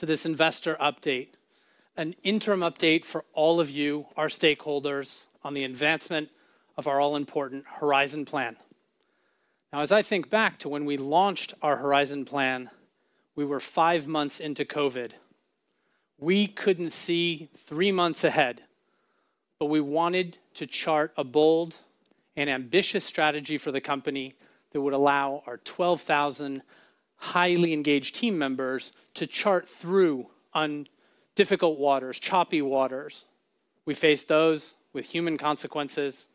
Welcome to this investor update, an interim update for all of you, our stakeholders, on the advancement of our all-important Horizon Plan. Now, as I think back to when we launched our Horizon Plan, we were five months into COVID. We couldn't see three months ahead, but we wanted to chart a bold and ambitious strategy for the company that would allow our 12,000 highly engaged team members to chart through on difficult waters, choppy waters. We faced those with human consequences.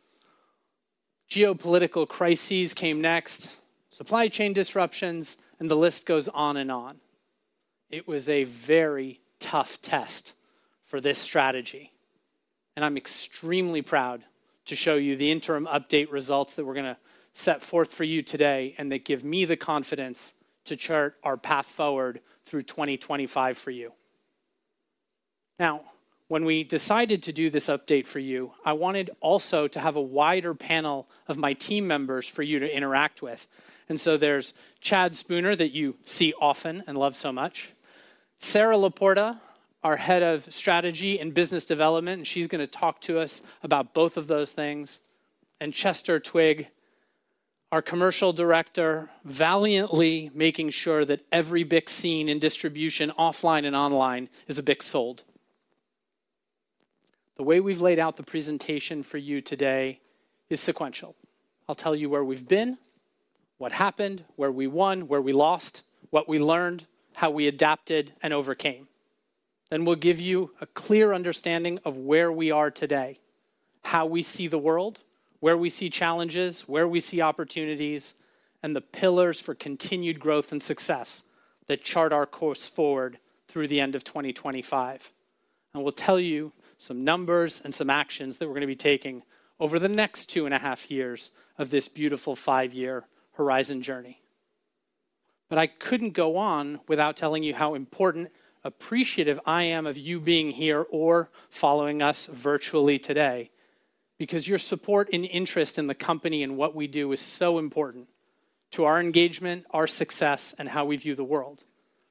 Geopolitical crises came next, supply chain disruptions, and the list goes on and on. It was a very tough test for this strategy, and I'm extremely proud to show you the interim update results that we're gonna set forth for you today, and they give me the confidence to chart our path forward through 2025 for you. Now, when we decided to do this update for you, I wanted also to have a wider panel of my team members for you to interact with. And so there's Chad Spooner, that you see often and love so much. Sara LaPorta, our Head of Strategy and Business Development, and she's gonna talk to us about both of those things. And Chester Twigg, our Commercial Director, valiantly making sure that every BIC seen in distribution, offline and online, is a BIC sold. The way we've laid out the presentation for you today is sequential. I'll tell you where we've been, what happened, where we won, where we lost, what we learned, how we adapted and overcame. Then we'll give you a clear understanding of where we are today, how we see the world, where we see challenges, where we see opportunities, and the pillars for continued growth and success that chart our course forward through the end of 2025. And we'll tell you some numbers and some actions that we're gonna be taking over the next two and a half years of this beautiful five-year Horizon journey. But I couldn't go on without telling you how important, appreciative I am of you being here or following us virtually today, because your support and interest in the company and what we do is so important to our engagement, our success, and how we view the world.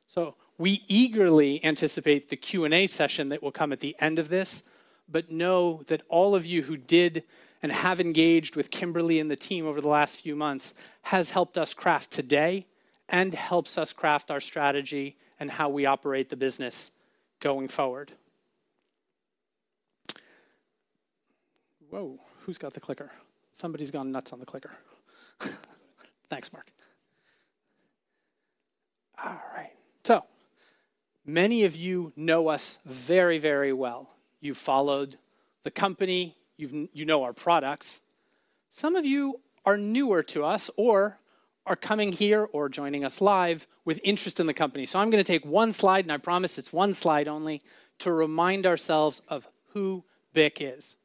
So we eagerly anticipate the Q&A session that will come at the end of this, but know that all of you who did and have engaged with Kimberly and the team over the last few months has helped us craft today and helps us craft our strategy and how we operate the business going forward. Whoa! Who's got the clicker? Somebody's gone nuts on the clicker. Thanks, Mark. All right. So many of you know us very, very well. You've followed the company, you've- you know our products. Some of you are newer to us or are coming here or joining us live with interest in the company. So I'm gonna take one slide, and I promise it's one slide only, to remind ourselves of who BIC is.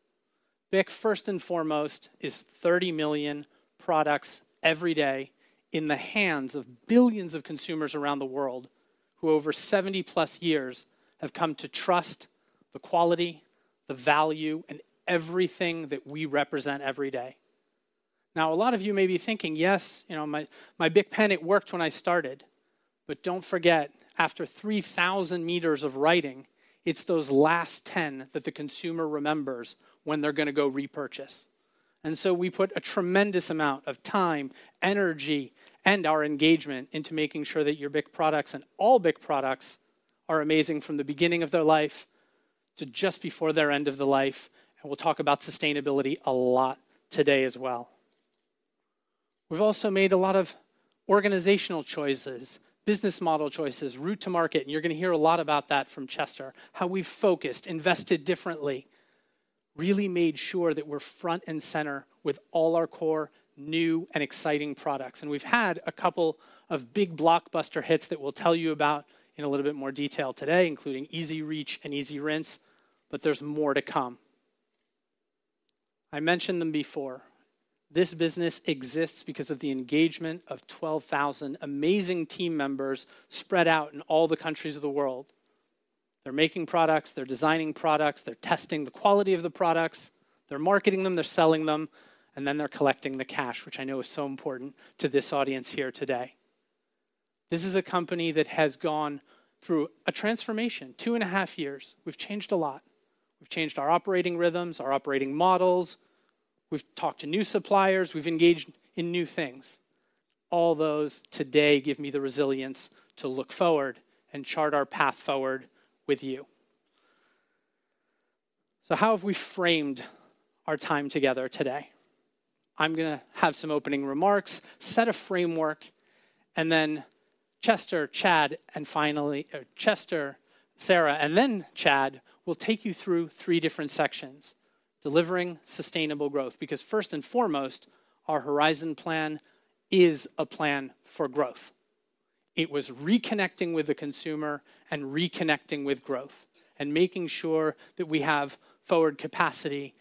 BIC, first and foremost, is 30 million products every day in the hands of billions of consumers around the world, who, over 70+ years, have come to trust the quality, the value, and everything that we represent every day. Now, a lot of you may be thinking, "Yes, you know, my, my BIC pen, it worked when I started." But don't forget, after 3,000 meters of writing, it's those last 10 that the consumer remembers when they're gonna go repurchase. And so we put a tremendous amount of time, energy, and our engagement into making sure that your BIC products and all BIC products are amazing from the beginning of their life to just before their end of the life, and we'll talk about sustainability a lot today as well. We've also made a lot of organizational choices, business model choices, route to market, and you're gonna hear a lot about that from Chester, how we've focused, invested differently, really made sure that we're front and center with all our core, new and exciting products. We've had a couple of big blockbuster hits that we'll tell you about in a little bit more detail today, including EZ Reach and EasyRinse, but there's more to come. I mentioned them before. This business exists because of the engagement of 12,000 amazing team members spread out in all the countries of the world. They're making products, they're designing products, they're testing the quality of the products, they're marketing them, they're selling them, and then they're collecting the cash, which I know is so important to this audience here today. This is a company that has gone through a transformation. 2.5 years, we've changed a lot. We've changed our operating rhythms, our operating models, we've talked to new suppliers, we've engaged in new things. All those today give me the resilience to look forward and chart our path forward with you. So how have we framed our time together today? I'm gonna have some opening remarks, set a framework, and then Chester, Chad, and finally, Chester, Sara, and then Chad will take you through three different sections: delivering sustainable growth, because first and foremost, our Horizon Plan is a plan for growth. It was reconnecting with the consumer and reconnecting with growth and making sure that we have forward capacity,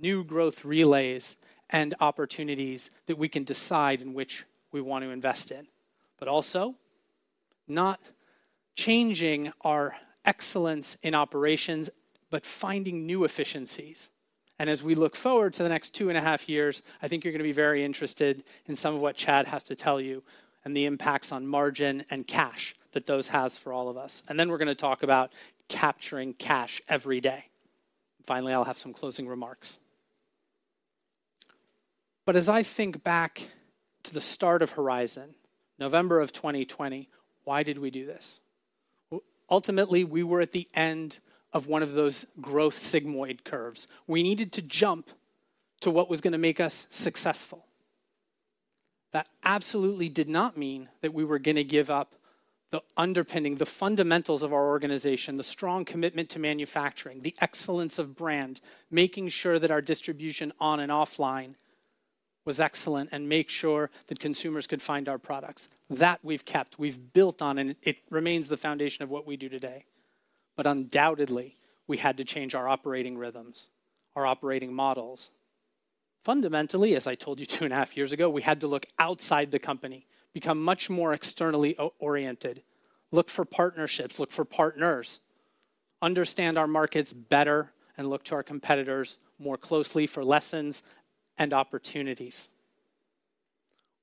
new growth relays, and opportunities that we can decide in which we want to invest in, but also not changing our excellence in operations, but finding new efficiencies. As we look forward to the next two and a half years, I think you're gonna be very interested in some of what Chad has to tell you, and the impacts on margin and cash that those has for all of us. Then we're gonna talk about capturing cash every day. Finally, I'll have some closing remarks. As I think back to the start of Horizon, November of 2020, why did we do this? Ultimately, we were at the end of one of those growth sigmoid curves. We needed to jump to what was gonna make us successful. That absolutely did not mean that we were gonna give up the underpinning, the fundamentals of our organization, the strong commitment to manufacturing, the excellence of brand, making sure that our distribution on and offline was excellent, and make sure that consumers could find our products. That we've kept, we've built on, and it, it remains the foundation of what we do today. But undoubtedly, we had to change our operating rhythms, our operating models. Fundamentally, as I told you 2.5 years ago, we had to look outside the company, become much more externally oriented, look for partnerships, look for partners, understand our markets better, and look to our competitors more closely for lessons and opportunities.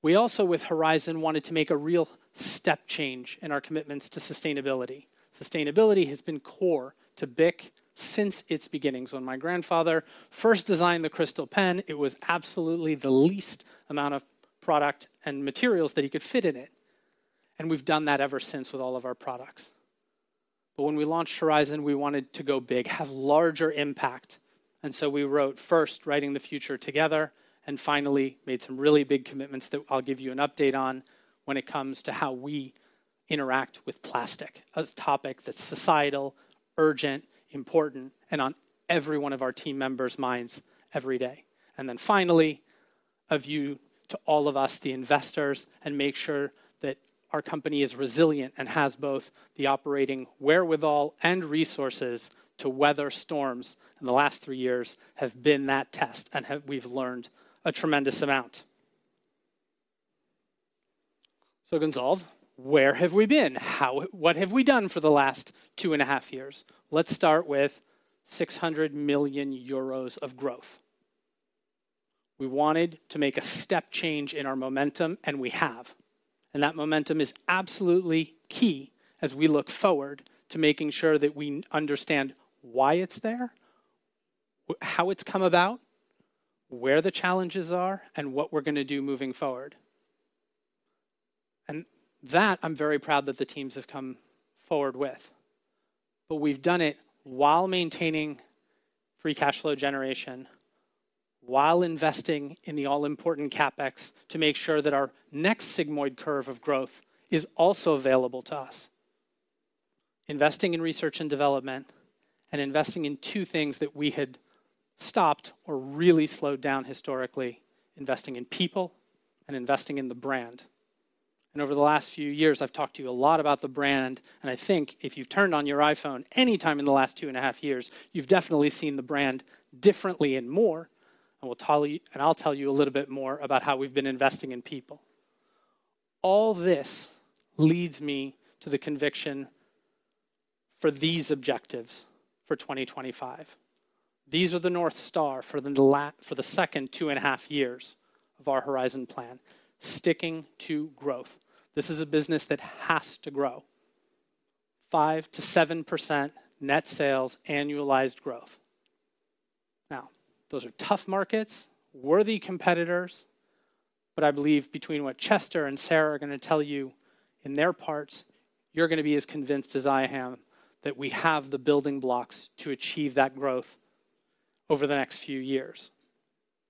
We also, with Horizon, wanted to make a real step change in our commitments to sustainability. Sustainability has been core to BIC since its beginnings. When my grandfather first designed the Cristal pen, it was absolutely the least amount of product and materials that he could fit in it, and we've done that ever since with all of our products. But when we launched Horizon, we wanted to go big, have larger impact, and so we wrote first, Writing the Future Together, and finally made some really big commitments that I'll give you an update on when it comes to how we interact with plastic. A topic that's societal, urgent, important, and on every one of our team members' minds every day. Then finally, a view to all of us, the investors, and make sure that our company is resilient and has both the operating wherewithal and resources to weather storms, and the last three years have been that test, and we've learned a tremendous amount. So Gonzalve, where have we been? How, what have we done for the last two and a half years? Let's start with 600 million euros of growth. We wanted to make a step change in our momentum, and we have, and that momentum is absolutely key as we look forward to making sure that we understand why it's there, how it's come about, where the challenges are, and what we're gonna do moving forward. And that, I'm very proud that the teams have come forward with. But we've done it while maintaining free cash flow generation, while investing in the all-important CapEx to make sure that our next sigmoid curve of growth is also available to us. Investing in research and development, and investing in two things that we had stopped or really slowed down historically, investing in people and investing in the brand. Over the last few years, I've talked to you a lot about the brand, and I think if you've turned on your iPhone anytime in the last two and a half years, you've definitely seen the brand differently and more. And I'll tell you a little bit more about how we've been investing in people. All this leads me to the conviction for these objectives for 2025. These are the North Star for the second two and a half years of our Horizon Plan, sticking to growth. This is a business that has to grow. 5%-7% net sales annualized growth. Now, those are tough markets, worthy competitors, but I believe between what Chester and Sara are gonna tell you in their parts, you're gonna be as convinced as I am that we have the building blocks to achieve that growth over the next few years.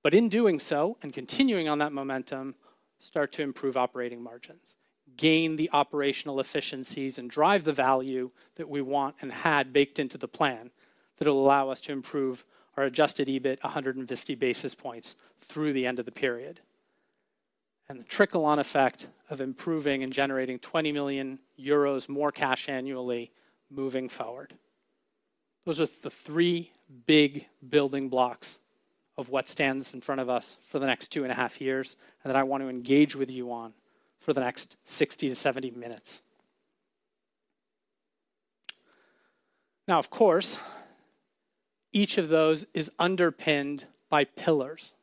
But in doing so, and continuing on that momentum, start to improve operating margins, gain the operational efficiencies, and drive the value that we want and had baked into the plan, that will allow us to improve our adjusted EBIT 150 basis points through the end of the period. And the trickle-on effect of improving and generating 20 million euros more cash annually moving forward. Those are the three big building blocks of what stands in front of us for the next two and a half years, and that I want to engage with you on for the next 60 minutes-70 minutes. Now, of course, each of those is underpinned by pillars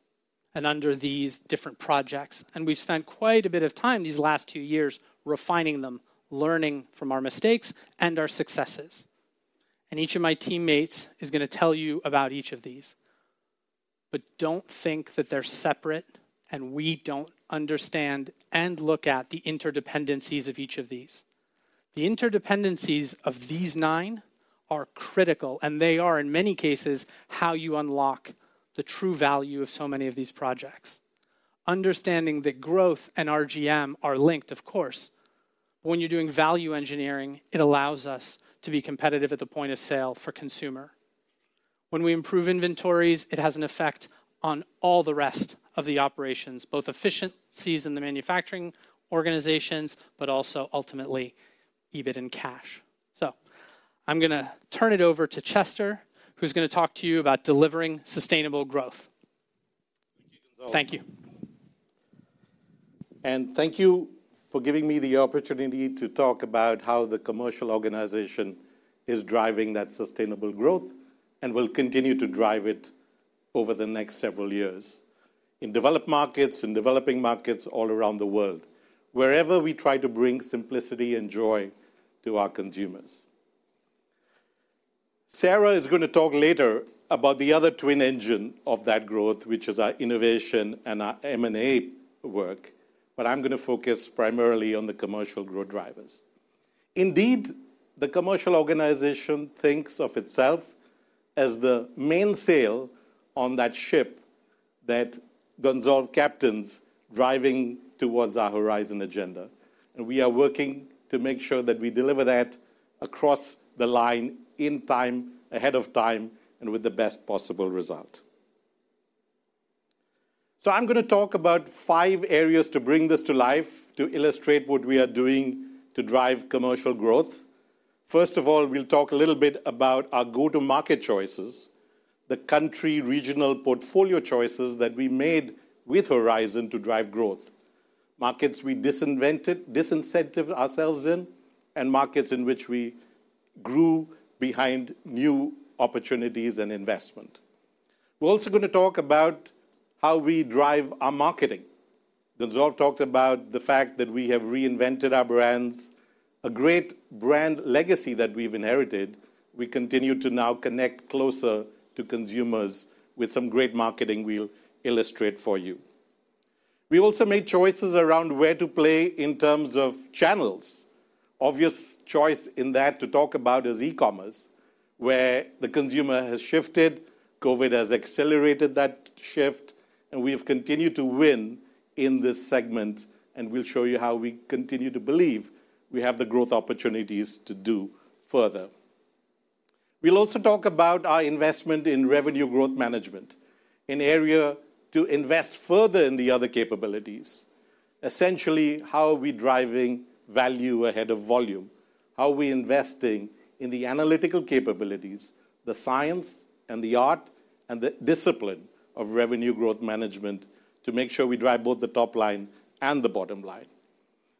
and under these different projects, and we've spent quite a bit of time these last two years refining them, learning from our mistakes and our successes. Each of my teammates is gonna tell you about each of these. But don't think that they're separate, and we don't understand and look at the interdependencies of each of these. The interdependencies of these nine are critical, and they are, in many cases, how you unlock the true value of so many of these projects. Understanding that growth and RGM are linked, of course, when you're doing value engineering, it allows us to be competitive at the point of sale for consumer. When we improve inventories, it has an effect on all the rest of the operations, both efficiencies in the manufacturing organizations, but also ultimately, EBIT and cash. So I'm gonna turn it over to Chester, who's gonna talk to you about delivering sustainable growth. Thank you, Gonzalve. Thank you. Thank you for giving me the opportunity to talk about how the commercial organization is driving that sustainable growth, and will continue to drive it over the next several years in developed markets, in developing markets all around the world, wherever we try to bring simplicity and joy to our consumers. Sara is gonna talk later about the other twin engine of that growth, which is our innovation and our M&A work, but I'm gonna focus primarily on the commercial growth drivers. Indeed, the commercial organization thinks of itself as the mainsail on that ship that Gonzalve captains driving towards our Horizon agenda, and we are working to make sure that we deliver that across the line in time, ahead of time, and with the best possible result. So I'm gonna talk about five areas to bring this to life, to illustrate what we are doing to drive commercial growth. First of all, we'll talk a little bit about our go-to-market choices, the country regional portfolio choices that we made with Horizon to drive growth. Markets we disinvented, disincentive ourselves in, and markets in which we grew behind new opportunities and investment. We're also gonna talk about how we drive our marketing. Gonzalve talked about the fact that we have reinvented our brands, a great brand legacy that we've inherited. We continue to now connect closer to consumers with some great marketing we'll illustrate for you. We also made choices around where to play in terms of channels. obvious choice in that to talk about is e-commerce, where the consumer has shifted. COVID has accelerated that shift, and we have continued to win in this segment, and we'll show you how we continue to believe we have the growth opportunities to do further. We'll also talk about our investment in revenue growth management, an area to invest further in the other capabilities. Essentially, how are we driving value ahead of volume? How are we investing in the analytical capabilities, the science and the art, and the discipline of revenue growth management to make sure we drive both the top line and the bottom line?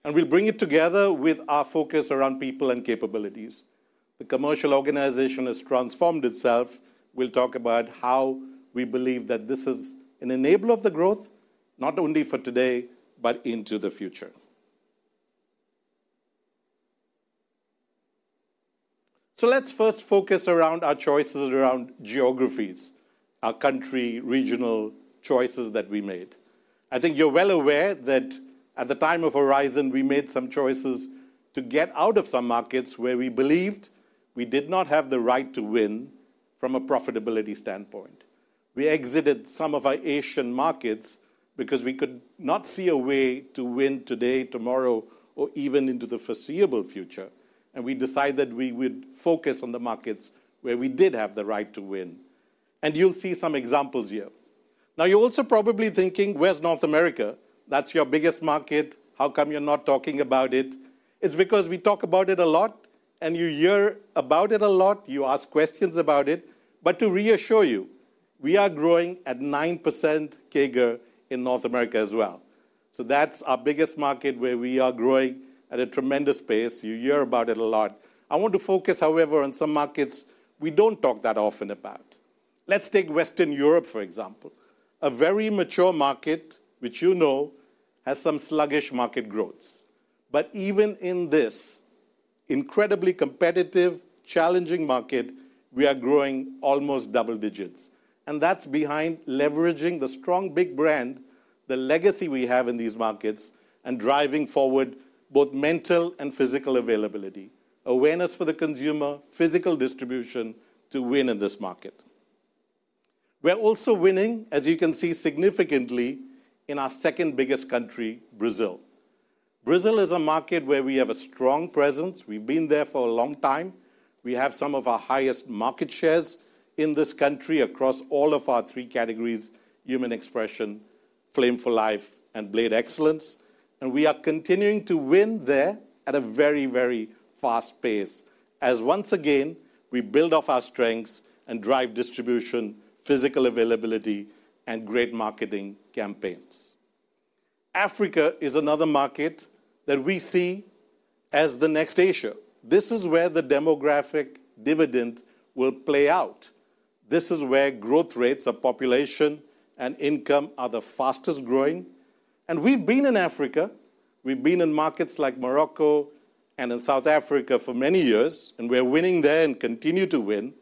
We'll bring it together with our focus around people and capabilities. The commercial organization has transformed itself. We'll talk about how we believe that this is an enabler of the growth, not only for today, but into the future. Let's first focus around our choices around geographies, our country, regional choices that we made. I think you're well aware that at the time of Horizon, we made some choices to get out of some markets where we believed we did not have the right to win from a profitability standpoint. We exited some of our Asian markets because we could not see a way to win today, tomorrow, or even into the foreseeable future, and we decided we would focus on the markets where we did have the right to win. You'll see some examples here. Now, you're also probably thinking, where's North America? That's your biggest market. How come you're not talking about it? It's because we talk about it a lot, and you hear about it a lot. You ask questions about it. But to reassure you, we are growing at 9% CAGR in North America as well. So that's our biggest market, where we are growing at a tremendous pace. You hear about it a lot. I want to focus, however, on some markets we don't talk that often about. Let's take Western Europe, for example. A very mature market, which you know has some sluggish market growths. But even in this incredibly competitive, challenging market, we are growing almost double digits. And that's behind leveraging the strong big brand, the legacy we have in these markets, and driving forward both mental and physical availability, awareness for the consumer, physical distribution to win in this market. We're also winning, as you can see, significantly in our second biggest country, Brazil. Brazil is a market where we have a strong presence. We've been there for a long time. We have some of our highest market shares in this country across all of our three categories: Human Expression, Flame for Life, and Blade Excellence. We are continuing to win there at a very, very fast pace, as once again, we build off our strengths and drive distribution, physical availability, and great marketing campaigns. Africa is another market that we see as the next Asia. This is where the demographic dividend will play out. This is where growth rates of population and income are the fastest growing. We've been in Africa. We've been in markets like Morocco and in South Africa for many years, and we're winning there and continue to win,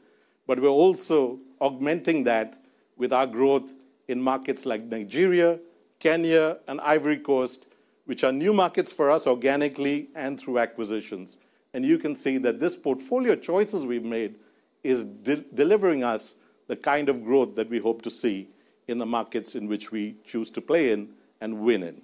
but we're also augmenting that with our growth in markets like Nigeria, Kenya, and Ivory Coast, which are new markets for us, organically and through acquisitions. You can see that this portfolio choices we've made is delivering us the kind of growth that we hope to see in the markets in which we choose to play in and win in.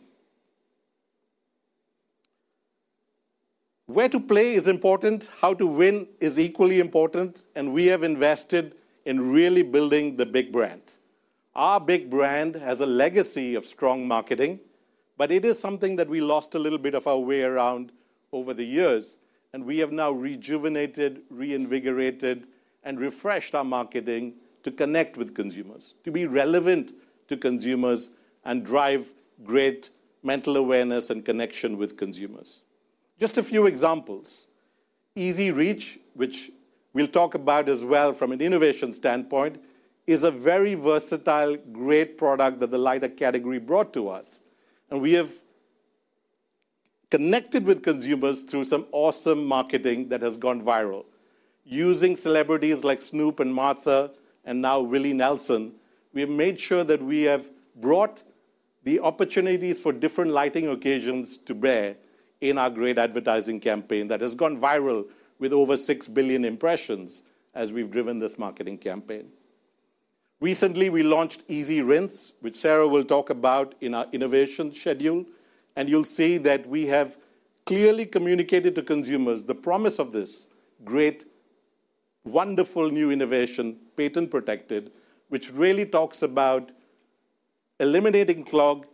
Where to play is important, how to win is equally important, and we have invested in really building the big brand. Our big brand has a legacy of strong marketing, but it is something that we lost a little bit of our way over the years, and we have now rejuvenated, reinvigorated, and refreshed our marketing to connect with consumers, to be relevant to consumers, and drive great mental awareness and connection with consumers. Just a few examples. EZ Reach, which we'll talk about as well from an innovation standpoint, is a very versatile, great product that the lighter category brought to us, and we have connected with consumers through some awesome marketing that has gone viral. Using celebrities like Snoop and Martha, and now Willie Nelson, we have made sure that we have brought the opportunities for different lighting occasions to bear in our great advertising campaign that has gone viral with over 6 billion impressions as we've driven this marketing campaign. Recently, we launched EasyRinse, which Sara will talk about in our innovation schedule, and you'll see that we have clearly communicated to consumers the promise of this great, wonderful new innovation, patent-protected, which really talks about eliminating clog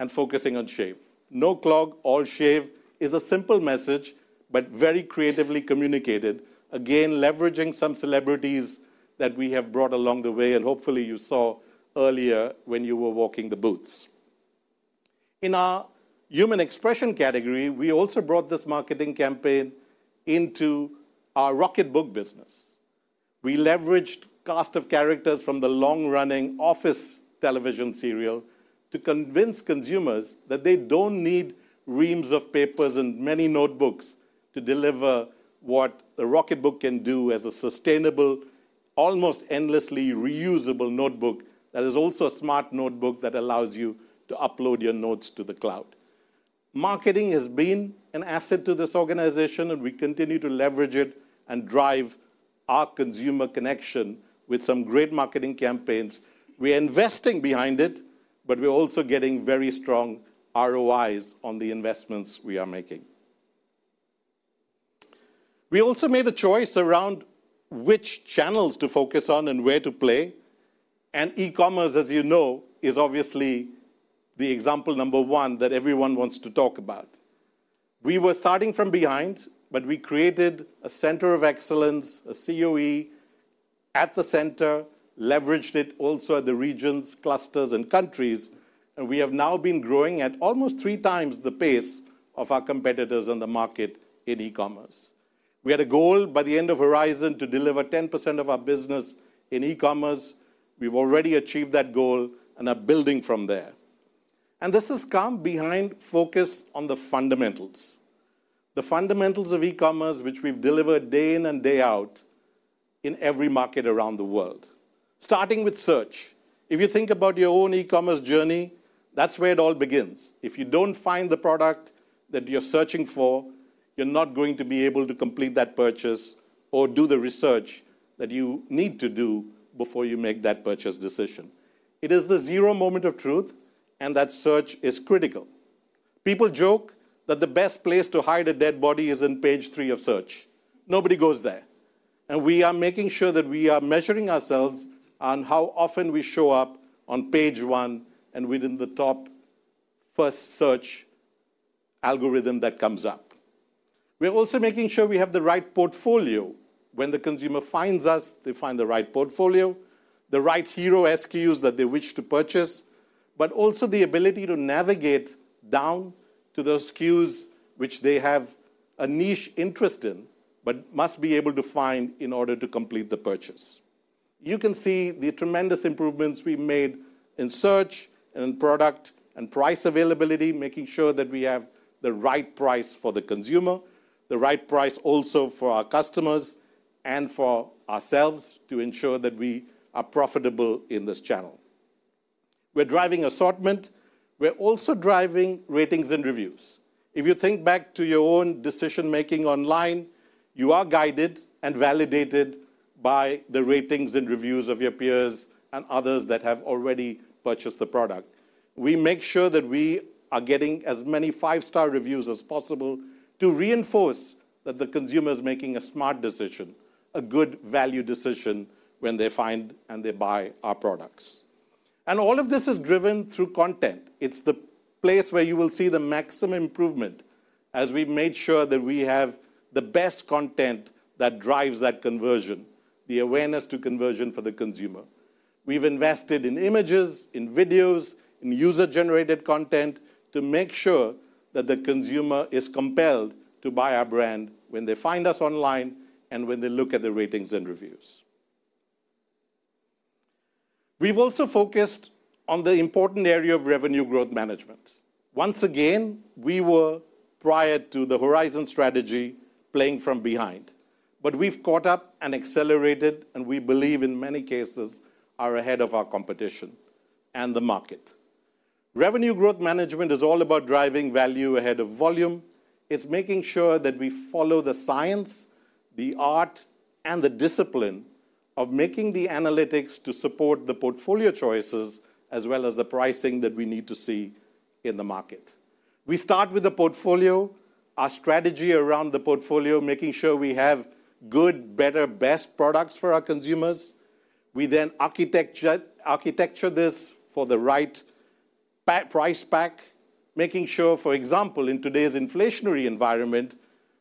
and focusing on shave. No clog, all shave is a simple message, but very creatively communicated, again, leveraging some celebrities that we have brought along the way, and hopefully you saw earlier when you were walking the booths. In our Human Expression category, we also brought this marketing campaign into our Rocketbook business. We leveraged cast of characters from the long-running Office television serial to convince consumers that they don't need reams of papers and many notebooks to deliver what a Rocketbook can do as a sustainable, almost endlessly reusable notebook that is also a smart notebook that allows you to upload your notes to the cloud. Marketing has been an asset to this organization, and we continue to leverage it and drive our consumer connection with some great marketing campaigns. We're investing behind it, but we're also getting very strong ROIs on the investments we are making. We also made a choice around which channels to focus on and where to play, and e-commerce, as you know, is obviously the example number one that everyone wants to talk about. We were starting from behind, but we created a Center of Excellence, a COE, at the center, leveraged it also at the regions, clusters, and countries, and we have now been growing at almost 3x the pace of our competitors in the market in e-commerce. We had a goal by the end of Horizon to deliver 10% of our business in e-commerce. We've already achieved that goal and are building from there. This has come behind focus on the fundamentals, the fundamentals of e-commerce, which we've delivered day in and day out in every market around the world, starting with search. If you think about your own e-commerce journey, that's where it all begins. If you don't find the product that you're searching for, you're not going to be able to complete that purchase or do the research that you need to do before you make that purchase decision. It is the zero moment of truth, and that search is critical. People joke that the best place to hide a dead body is in page three of search. Nobody goes there, and we are making sure that we are measuring ourselves on how often we show up on page one and within the top first search algorithm that comes up. We are also making sure we have the right portfolio. When the consumer finds us, they find the right portfolio, the right hero SKUs that they wish to purchase, but also the ability to navigate down to those SKUs which they have a niche interest in, but must be able to find in order to complete the purchase. You can see the tremendous improvements we've made in search and in product and price availability, making sure that we have the right price for the consumer, the right price also for our customers and for ourselves to ensure that we are profitable in this channel. We're driving assortment. We're also driving ratings and reviews. If you think back to your own decision-making online, you are guided and validated by the ratings and reviews of your peers and others that have already purchased the product. We make sure that we are getting as many five-star reviews as possible to reinforce that the consumer is making a smart decision, a good value decision, when they find and they buy our products. All of this is driven through content. It's the place where you will see the maximum improvement as we've made sure that we have the best content that drives that conversion, the awareness to conversion for the consumer. We've invested in images, in videos, in user-generated content to make sure that the consumer is compelled to buy our brand when they find us online and when they look at the ratings and reviews. We've also focused on the important area of revenue growth management. Once again, we were, prior to the Horizon strategy, playing from behind. But we've caught up and accelerated, and we believe in many cases, are ahead of our competition and the market. Revenue growth management is all about driving value ahead of volume. It's making sure that we follow the science, the art, and the discipline of making the analytics to support the portfolio choices, as well as the pricing that we need to see in the market. We start with the portfolio, our strategy around the portfolio, making sure we have good, better, best products for our consumers. We then architecture this for the right. Price pack, making sure, for example, in today's inflationary environment,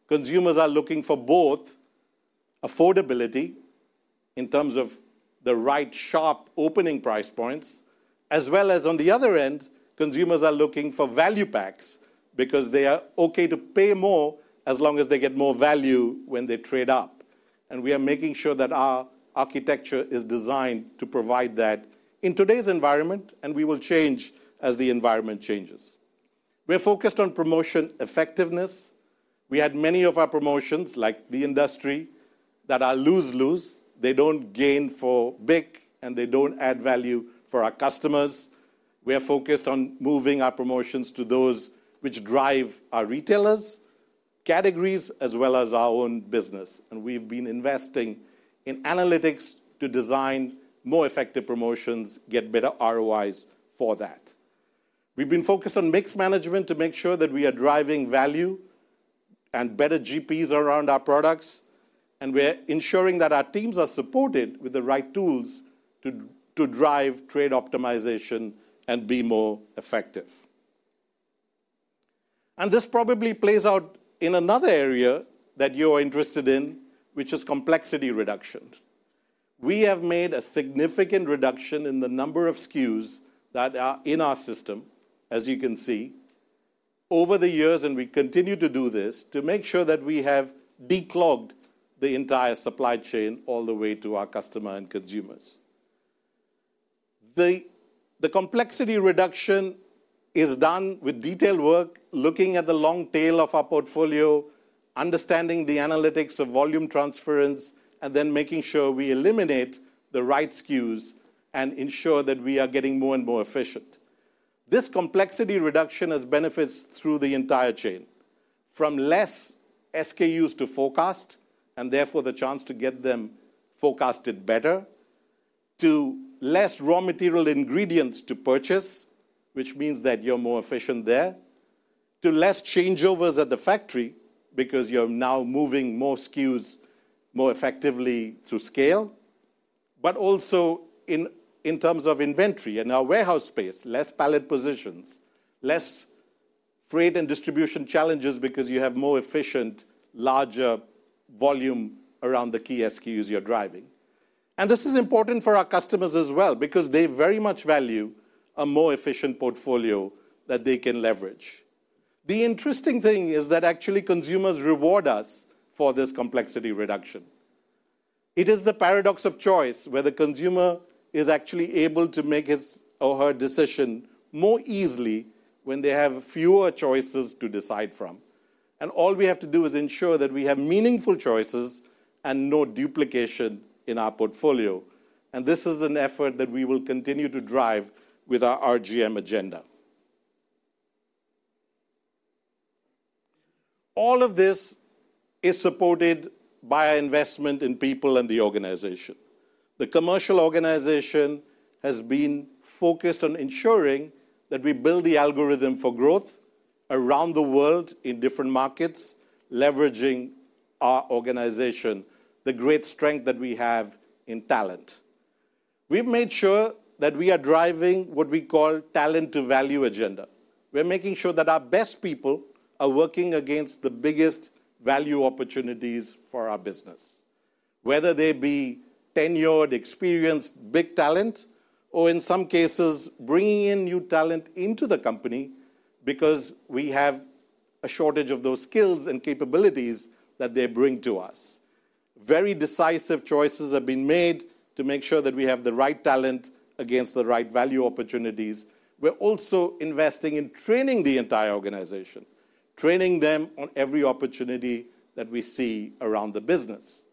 consumers are looking for both affordability in terms of the right sharp opening price points, as well as on the other end, consumers are looking for value packs because they are okay to pay more as long as they get more value when they trade up. We are making sure that our architecture is designed to provide that in today's environment, and we will change as the environment changes. We're focused on promotion effectiveness. We had many of our promotions, like the industry, that are lose-lose. They don't gain for BIC, and they don't add value for our customers. We are focused on moving our promotions to those which drive our retailers, categories, as well as our own business, and we've been investing in analytics to design more effective promotions, get better ROIs for that. We've been focused on mix management to make sure that we are driving value and better GPs around our products, and we're ensuring that our teams are supported with the right tools to drive trade optimization and be more effective. This probably plays out in another area that you are interested in, which is complexity reduction. We have made a significant reduction in the number of SKUs that are in our system, as you can see, over the years, and we continue to do this to make sure that we have declogged the entire supply chain all the way to our customer and consumers. The complexity reduction is done with detailed work, looking at the long tail of our portfolio, understanding the analytics of volume transference, and then making sure we eliminate the right SKUs and ensure that we are getting more and more efficient. This complexity reduction has benefits through the entire chain, from less SKUs to forecast, and therefore the chance to get them forecasted better, to less raw material ingredients to purchase, which means that you're more efficient there, to less changeovers at the factory because you're now moving more SKUs more effectively through scale. But also in terms of inventory and our warehouse space, less pallet positions, less freight and distribution challenges because you have more efficient, larger volume around the key SKUs you're driving. This is important for our customers as well, because they very much value a more efficient portfolio that they can leverage. The interesting thing is that actually consumers reward us for this complexity reduction. It is the paradox of choice, where the consumer is actually able to make his or her decision more easily when they have fewer choices to decide from. All we have to do is ensure that we have meaningful choices and no duplication in our portfolio, and this is an effort that we will continue to drive with our RGM agenda. All of this is supported by our investment in people and the organization. The commercial organization has been focused on ensuring that we build the algorithm for growth around the world in different markets, leveraging our organization, the great strength that we have in talent. We've made sure that we are driving what we call talent to value agenda. We're making sure that our best people are working against the biggest value opportunities for our business, whether they be tenured, experienced, big talent, or in some cases, bringing in new talent into the company because we have a shortage of those skills and capabilities that they bring to us. Very decisive choices have been made to make sure that we have the right talent against the right value opportunities. We're also investing in training the entire organization, training them on every opportunity that we see around the business.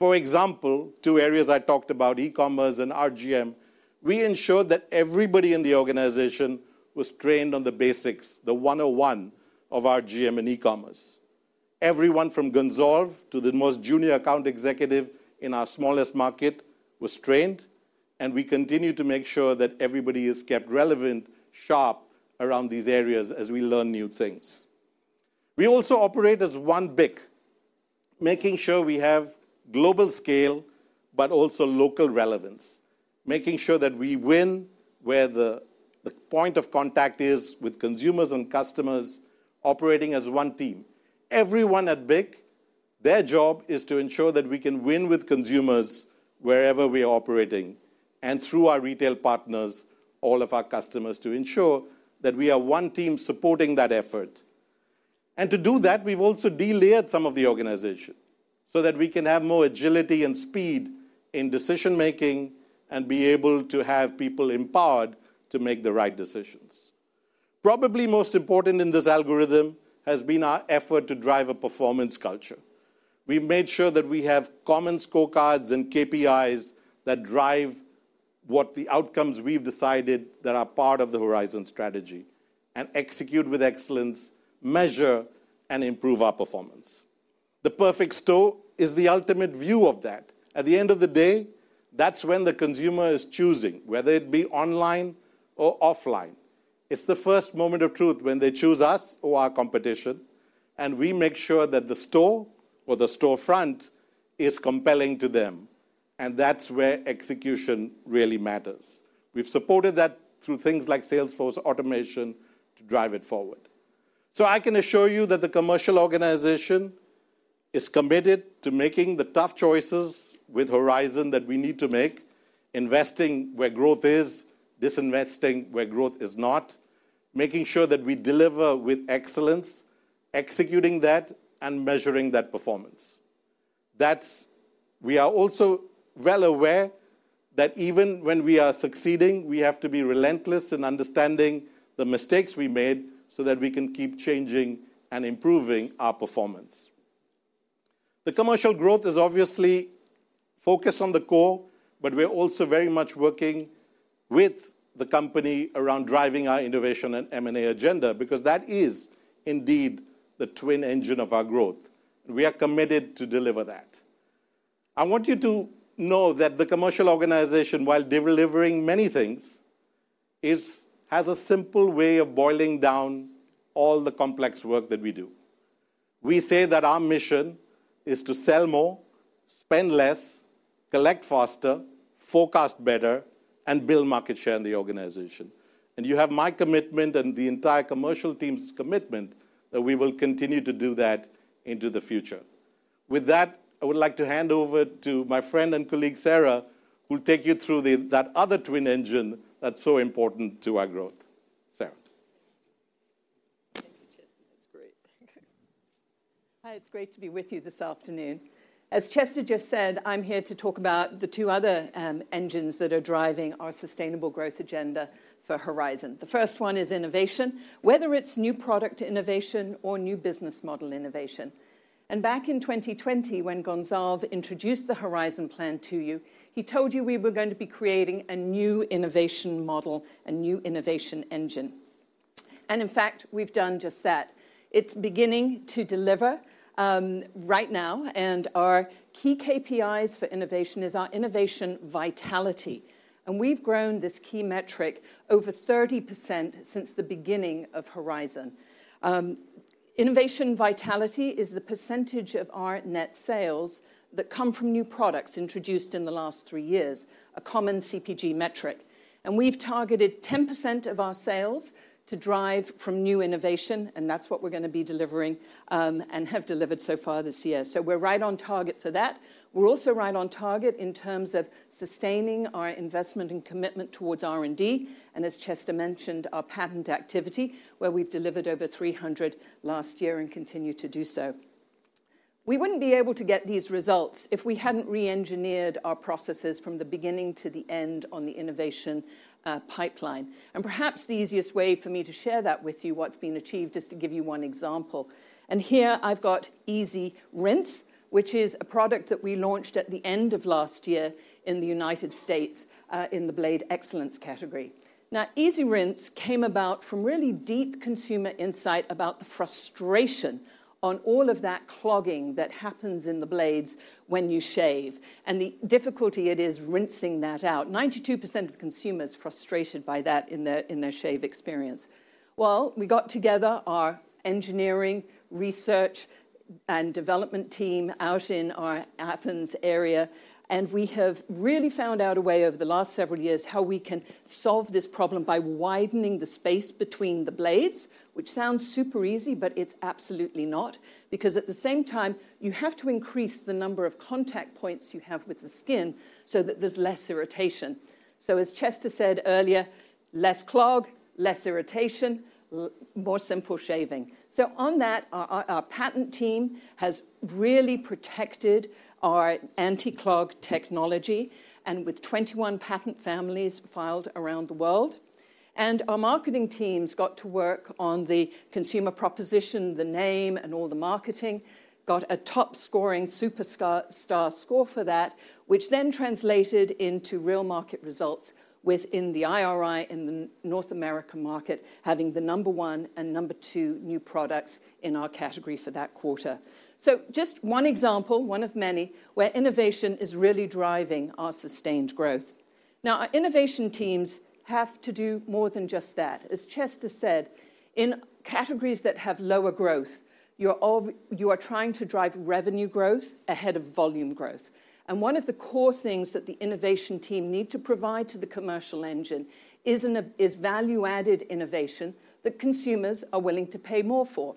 For example, two areas I talked about, e-commerce and RGM, we ensured that everybody in the organization was trained on the basics, the one on one of RGM and e-commerce. Everyone from Gonzalve to the most junior account executive in our smallest market was trained, and we continue to make sure that everybody is kept relevant, sharp around these areas as we learn new things. We also operate as one BIC, making sure we have global scale but also local relevance, making sure that we win where the point of contact is with consumers and customers operating as one team. Everyone at BIC, their job is to ensure that we can win with consumers wherever we are operating, and through our retail partners, all of our customers, to ensure that we are one team supporting that effort. And to do that, we've also delayered some of the organization so that we can have more agility and speed in decision-making and be able to have people empowered to make the right decisions. Probably most important in this algorithm has been our effort to drive a performance culture. We've made sure that we have common scorecards and KPIs that drive what the outcomes we've decided that are part of the Horizon strategy and execute with excellence, measure, and improve our performance. The Perfect Store is the ultimate view of that. At the end of the day, that's when the consumer is choosing, whether it be online or offline. It's the first moment of truth when they choose us or our competition, and we make sure that the store or the storefront is compelling to them and that's where execution really matters. We've supported that through things like Sales force automation to drive it forward. So I can assure you that the commercial organization is committed to making the tough choices with Horizon that we need to make, investing where growth is, disinvesting where growth is not, making sure that we deliver with excellence, executing that, and measuring that performance. That's. We are also well aware that even when we are succeeding, we have to be relentless in understanding the mistakes we made so that we can keep changing and improving our performance. The commercial growth is obviously focused on the core, but we're also very much working with the company around driving our innovation and M&A agenda, because that is indeed the twin engine of our growth. We are committed to deliver that. I want you to know that the commercial organization, while delivering many things, has a simple way of boiling down all the complex work that we do. We say that our mission is to sell more, spend less, collect faster, forecast better, and build market share in the organization. And you have my commitment and the entire commercial team's commitment that we will continue to do that into the future. With that, I would like to hand over to my friend and colleague, Sara, who'll take you through that other twin engine that's so important to our growth. Sara. Thank you, Chester. That's great. Thank you. Hi, it's great to be with you this afternoon. As Chester just said, I'm here to talk about the two other engines that are driving our sustainable growth agenda for Horizon. The first one is innovation, whether it's new product innovation or new business model innovation. Back in 2020, when Gonzalve introduced the Horizon plan to you, he told you we were going to be creating a new innovation model, a new innovation engine. In fact, we've done just that. It's beginning to deliver right now, and our key KPIs for innovation is our innovation vitality. We've grown this key metric over 30% since the beginning of Horizon. Innovation vitality is the percentage of our net sales that come from new products introduced in the last three years, a common CPG metric. We've targeted 10% of our sales to drive from new innovation, and that's what we're gonna be delivering, and have delivered so far this year. We're right on target for that. We're also right on target in terms of sustaining our investment and commitment towards R&D, and as Chester mentioned, our patent activity, where we've delivered over 300 last year and continue to do so. We wouldn't be able to get these results if we hadn't reengineered our processes from the beginning to the end on the innovation pipeline. Perhaps the easiest way for me to share that with you, what's been achieved, is to give you one example. Here I've got EasyRinse, which is a product that we launched at the end of last year in the United States in the Blade Excellence category. Now, EasyRinse came about from really deep consumer insight about the frustration on all of that clogging that happens in the blades when you shave, and the difficulty it is rinsing that out. 92% of consumers frustrated by that in their, in their shave experience. Well, we got together our engineering, research, and development team out in our Athens area, and we have really found out a way over the last several years, how we can solve this problem by widening the space between the blades, which sounds super easy, but it's absolutely not. Because at the same time, you have to increase the number of contact points you have with the skin so that there's less irritation. So as Chester said earlier, less clog, less irritation, more simple shaving. On that, our patent team has really protected our anti-clog technology, and with 21 patent families filed around the world. Our marketing teams got to work on the consumer proposition, the name and all the marketing, got a top-scoring superstar score for that, which then translated into real market results within the IRI in the North American market, having the number one and number two new products in our category for that quarter. So just one example, one of many, where innovation is really driving our sustained growth. Now, our innovation teams have to do more than just that. As Chester said, in categories that have lower growth, you are trying to drive revenue growth ahead of volume growth. One of the core things that the innovation team need to provide to the commercial engine is value-added innovation that consumers are willing to pay more for.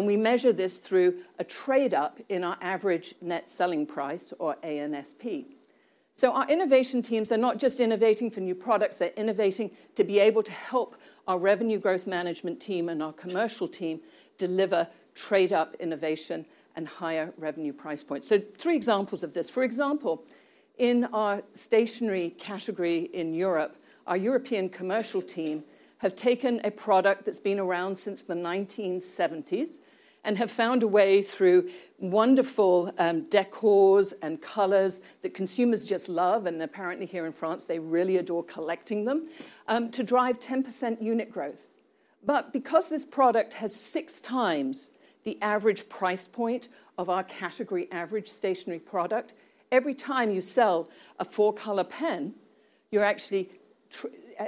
We measure this through a trade-up in our average net selling price or ANSP. Our innovation teams are not just innovating for new products, they're innovating to be able to help our revenue growth management team and our commercial team deliver trade-up innovation and higher revenue price points. Three examples of this. For example, in our stationery category in Europe, our European commercial team have taken a product that's been around since the 1970s and have found a way through wonderful decors and colors that consumers just love, and apparently here in France, they really adore collecting them to drive 10% unit growth. But because this product has six times the average price point of our category average stationery product, every time you sell a 4-Color pen, you're actually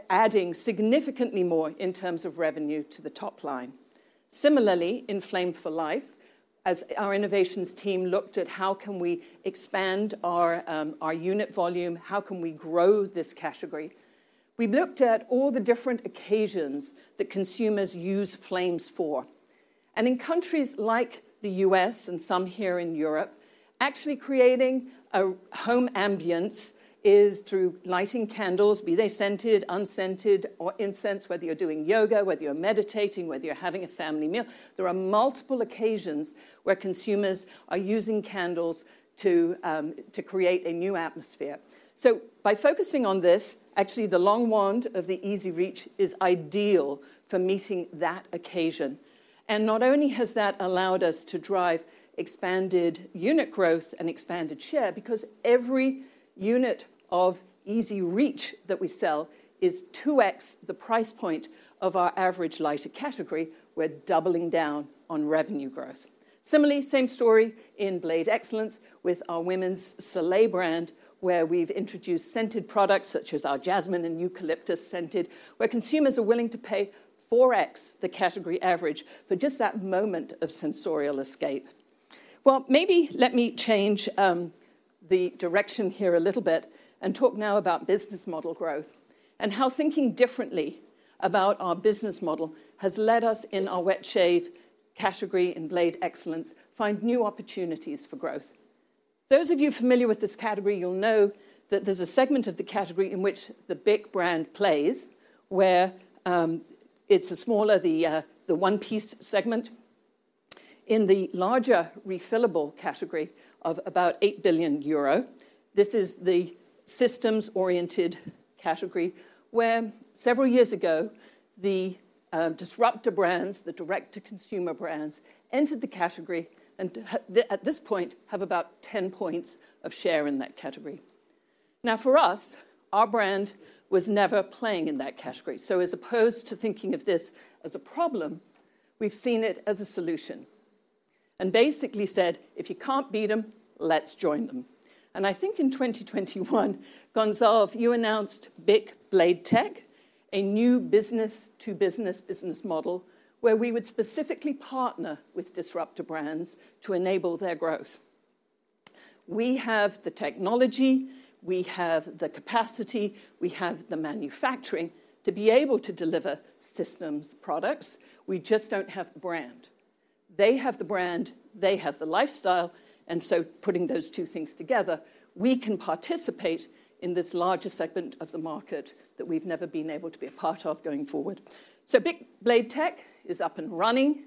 adding significantly more in terms of revenue to the top line. Similarly, in Flame for Life, as our innovations team looked at how can we expand our our unit volume, how can we grow this category? We looked at all the different occasions that consumers use flames for, and in countries like the U.S. and some here in Europe, actually creating a home ambiance is through lighting candles, be they scented, unscented, or incense, whether you're doing yoga, whether you're meditating, whether you're having a family meal, there are multiple occasions where consumers are using candles to to create a new atmosphere. So by focusing on this, actually, the long wand of the EZ Reach is ideal for meeting that occasion. And not only has that allowed us to drive expanded unit growth and expanded share, because every unit of EZ Reach that we sell is 2x the price point of our average lighter category, we're doubling down on revenue growth. Similarly, same story in Blade Excellence with our women's Soleil brand, where we've introduced scented products such as our jasmine and eucalyptus scented, where consumers are willing to pay 4x the category average for just that moment of sensorial escape. Well, maybe let me change the direction here a little bit and talk now about business model growth and how thinking differently about our business model has led us in our wet shave category, in Blade Excellence, find new opportunities for growth. Those of you familiar with this category, you'll know that there's a segment of the category in which the BIC brand plays, where, it's the smaller, the one-piece segment. In the larger refillable category of about 8 billion euro, this is the systems-oriented category, where several years ago, the disruptor brands, the direct-to-consumer brands, entered the category and at this point, have about 10 points of share in that category. Now, for us, our brand was never playing in that category. So as opposed to thinking of this as a problem, we've seen it as a solution, and basically said: "If you can't beat them, let's join them." And I think in 2021, Gonzalve, you announced BIC Blade Tech, a new business-to-business business model, where we would specifically partner with disruptor brands to enable their growth. We have the technology, we have the capacity, we have the manufacturing to be able to deliver systems products. We just don't have the brand. They have the brand, they have the lifestyle, and so putting those two things together, we can participate in this larger segment of the market that we've never been able to be a part of going forward. So BIC Blade Tech is up and running,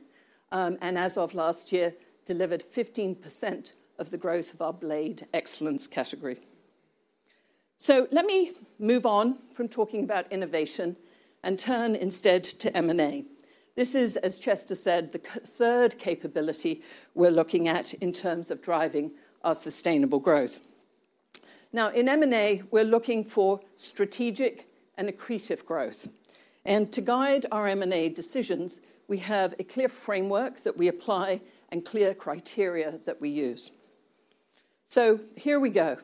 and as of last year, delivered 15% of the growth of our Blade Excellence category. So let me move on from talking about innovation and turn instead to M&A. This is, as Chester said, the third capability we're looking at in terms of driving our sustainable growth. Now, in M&A, we're looking for strategic and accretive growth. And to guide our M&A decisions, we have a clear framework that we apply and clear criteria that we use. So here we go.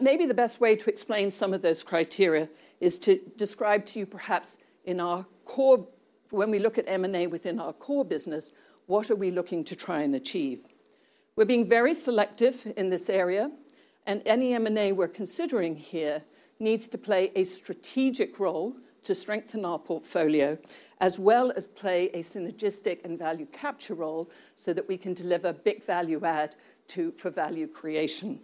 Maybe the best way to explain some of those criteria is to describe to you, perhaps, in our core. When we look at M&A within our core business, what are we looking to try and achieve? We're being very selective in this area, and any M&A we're considering here needs to play a strategic role to strengthen our portfolio, as well as play a synergistic and value capture role so that we can deliver BIC value add to- for value creation.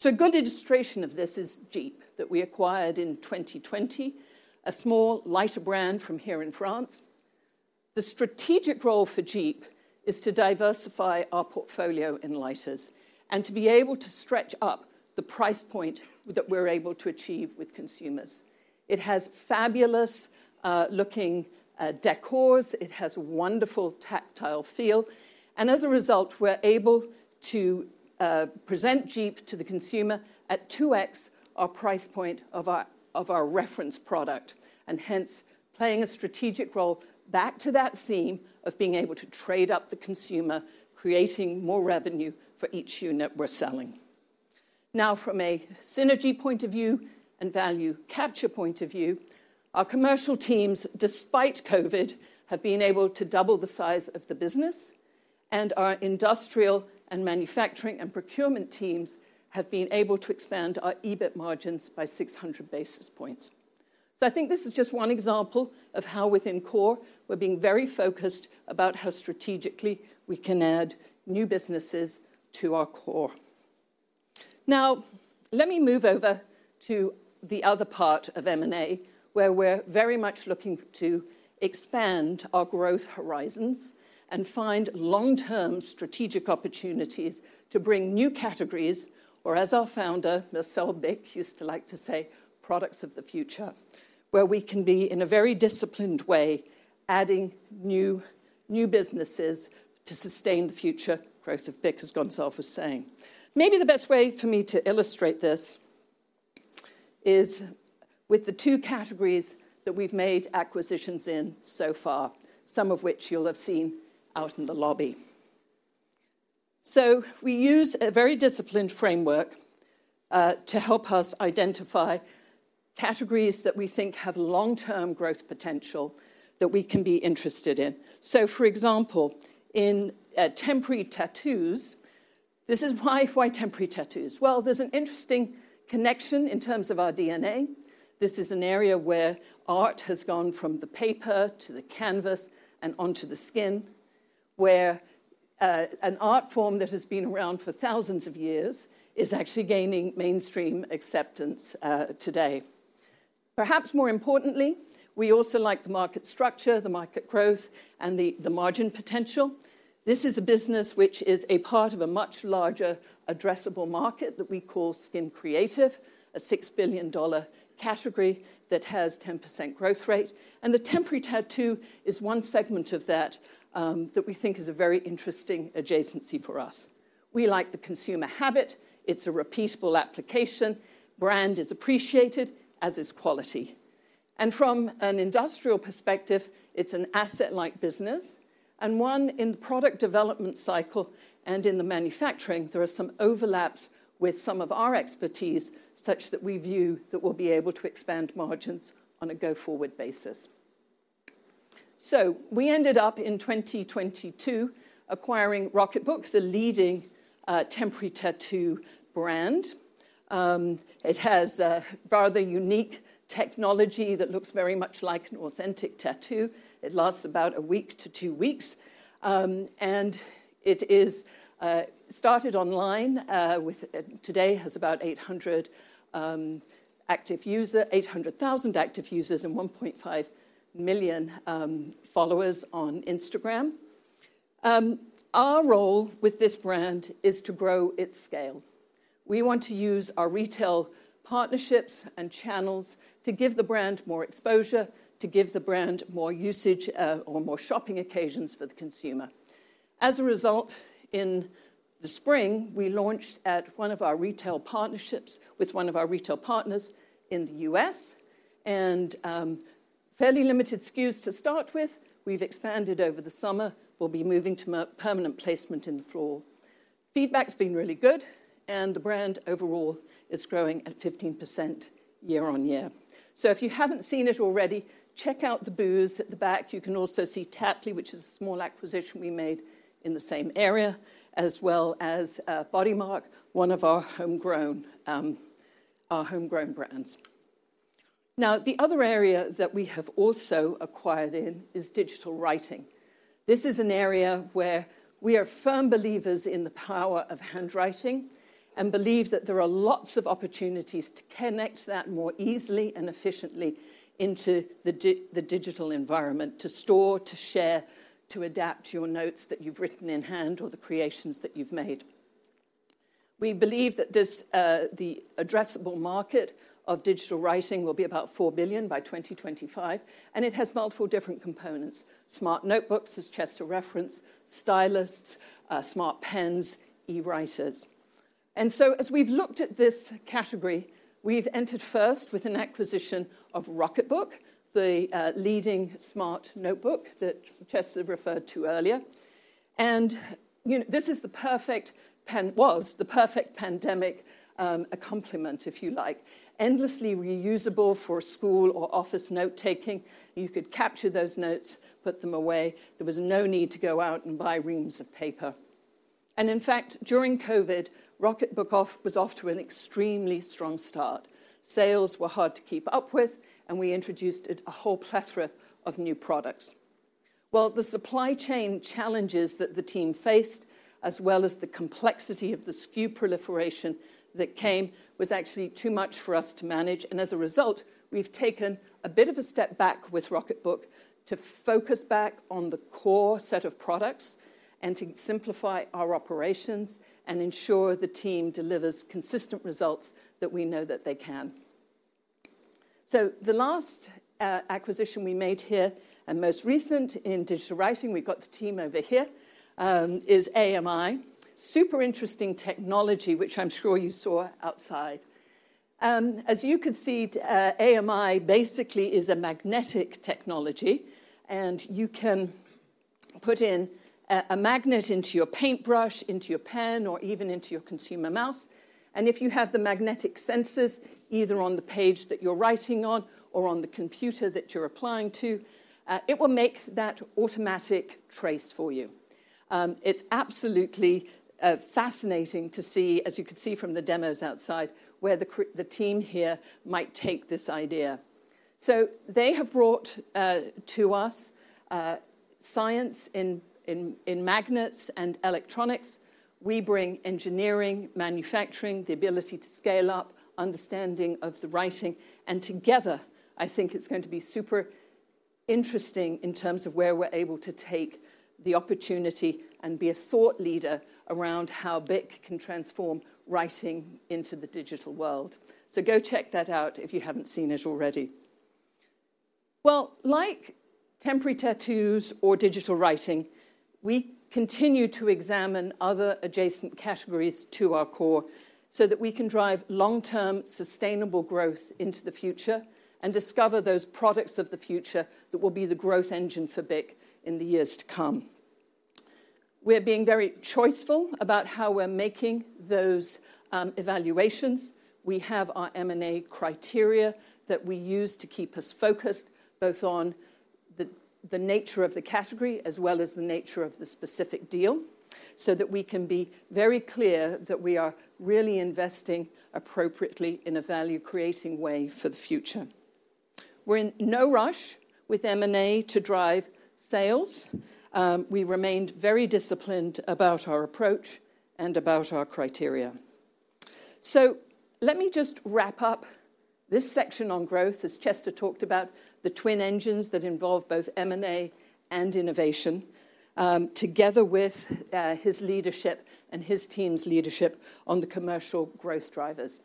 So a good illustration of this is Djeep, that we acquired in 2020, a small lighter brand from here in France. The strategic role for Djeep is to diversify our portfolio in lighters, and to be able to stretch up the price point that we're able to achieve with consumers. It has fabulous looking decors, it has wonderful tactile feel, and as a result, we're able to present Djeep to the consumer at 2x our price point of our, of our reference product, and hence, playing a strategic role back to that theme of being able to trade up the consumer, creating more revenue for each unit we're selling. Now, from a synergy point of view and value capture point of view, our commercial teams, despite COVID, have been able to double the size of the business, and our industrial and manufacturing and procurement teams have been able to expand our EBIT margins by 600 basis points. So I think this is just one example of how within core, we're being very focused about how strategically we can add new businesses to our core. Now, let me move over to the other part of M&A, where we're very much looking to expand our growth horizons and find long-term strategic opportunities to bring new categories, or as our founder, Marcel Bich, used to like to say, "Products of the future," where we can be, in a very disciplined way, adding new, new businesses to sustain the future growth of BIC, as Gonzalve was saying. Maybe the best way for me to illustrate this is with the two categories that we've made acquisitions in so far, some of which you'll have seen out in the lobby. So we use a very disciplined framework to help us identify categories that we think have long-term growth potential that we can be interested in. So for example, in temporary tattoos, this is why, why temporary tattoos? Well, there's an interesting connection in terms of our DNA. This is an area where art has gone from the paper to the canvas and onto the skin, where an art form that has been around for thousands of years is actually gaining mainstream acceptance today. Perhaps more importantly, we also like the market structure, the market growth, and the margin potential. This is a business which is a part of a much larger addressable market that we call Skin Creative, a $6 billion category that has 10% growth rate, and the temporary tattoo is one segment of that, that we think is a very interesting adjacency for us. We like the consumer habit. It's a repeatable application, brand is appreciated, as is quality. From an industrial perspective, it's an asset-light business and one in the product development cycle, and in the manufacturing, there are some overlaps with some of our expertise, such that we view that we'll be able to expand margins on a go-forward basis. So we ended up in 2022 acquiring Inkbox, the leading temporary tattoo brand. It has a rather unique technology that looks very much like an authentic tattoo. It lasts about a week to two weeks, and it is started online. Today, it has about 800,000 active users and 1.5 million followers on Instagram. Our role with this brand is to grow its scale. We want to use our retail partnerships and channels to give the brand more exposure, to give the brand more usage, or more shopping occasions for the consumer. As a result, in the spring, we launched at one of our retail partnerships with one of our retail partners in the U.S., and fairly limited SKUs to start with. We've expanded over the summer. We'll be moving to more permanent placement on the floor. Feedback's been really good, and the brand overall is growing at 15% year-on-year. So if you haven't seen it already, check out the booths at the back. You can also see Tattly, which is a small acquisition we made in the same area, as well as BodyMark, one of our homegrown, our homegrown brands. Now, the other area that we have also acquired in is digital writing. This is an area where we are firm believers in the power of handwriting and believe that there are lots of opportunities to connect that more easily and efficiently into the digital environment, to store, to share, to adapt your notes that you've written in hand or the creations that you've made. We believe that this, the addressable market of digital writing will be about $4 billion by 2025, and it has multiple different components: smart notebooks, as Chester referenced, styluses, smart pens, e-writers. And so as we've looked at this category, we've entered first with an acquisition of Rocketbook, the leading smart notebook that Chester referred to earlier. And, you know, this is the perfect pen was the perfect pandemic accompaniment, if you like. Endlessly reusable for school or office note-taking. You could capture those notes, put them away. There was no need to go out and buy reams of paper. And in fact, during COVID, Rocketbook was off to an extremely strong start. Sales were hard to keep up with, and we introduced a whole plethora of new products. Well, the supply chain challenges that the team faced, as well as the complexity of the SKU proliferation that came, was actually too much for us to manage, and as a result, we've taken a bit of a step back with Rocketbook to focus back on the core set of products and to simplify our operations and ensure the team delivers consistent results that we know that they can. So the last acquisition we made here, and most recent in digital writing, we've got the team over here, is AMI. Super interesting technology, which I'm sure you saw outside. As you can see, AMI basically is a magnetic technology, and you can put in a magnet into your paintbrush, into your pen, or even into your consumer mouse. And if you have the magnetic sensors, either on the page that you're writing on or on the computer that you're applying to, it will make that automatic trace for you. It's absolutely fascinating to see, as you can see from the demos outside, where the team here might take this idea. So they have brought to us science in magnets and electronics. We bring engineering, manufacturing, the ability to scale up, understanding of the writing, and together, I think it's going to be super interesting in terms of where we're able to take the opportunity and be a thought leader around how BIC can transform writing into the digital world. So go check that out if you haven't seen it already. Well, like temporary tattoos or digital writing, we continue to examine other adjacent categories to our core so that we can drive long-term, sustainable growth into the future and discover those products of the future that will be the growth engine for BIC in the years to come. We're being very choiceful about how we're making those evaluations. We have our M&A criteria that we use to keep us focused, both on the, the nature of the category as well as the nature of the specific deal, so that we can be very clear that we are really investing appropriately in a value-creating way for the future. We're in no rush with M&A to drive sales. We remained very disciplined about our approach and about our criteria. So let me just wrap up this section on growth, as Chester talked about, the twin engines that involve both M&A and innovation, together with his leadership and his team's leadership on the commercial growth drivers.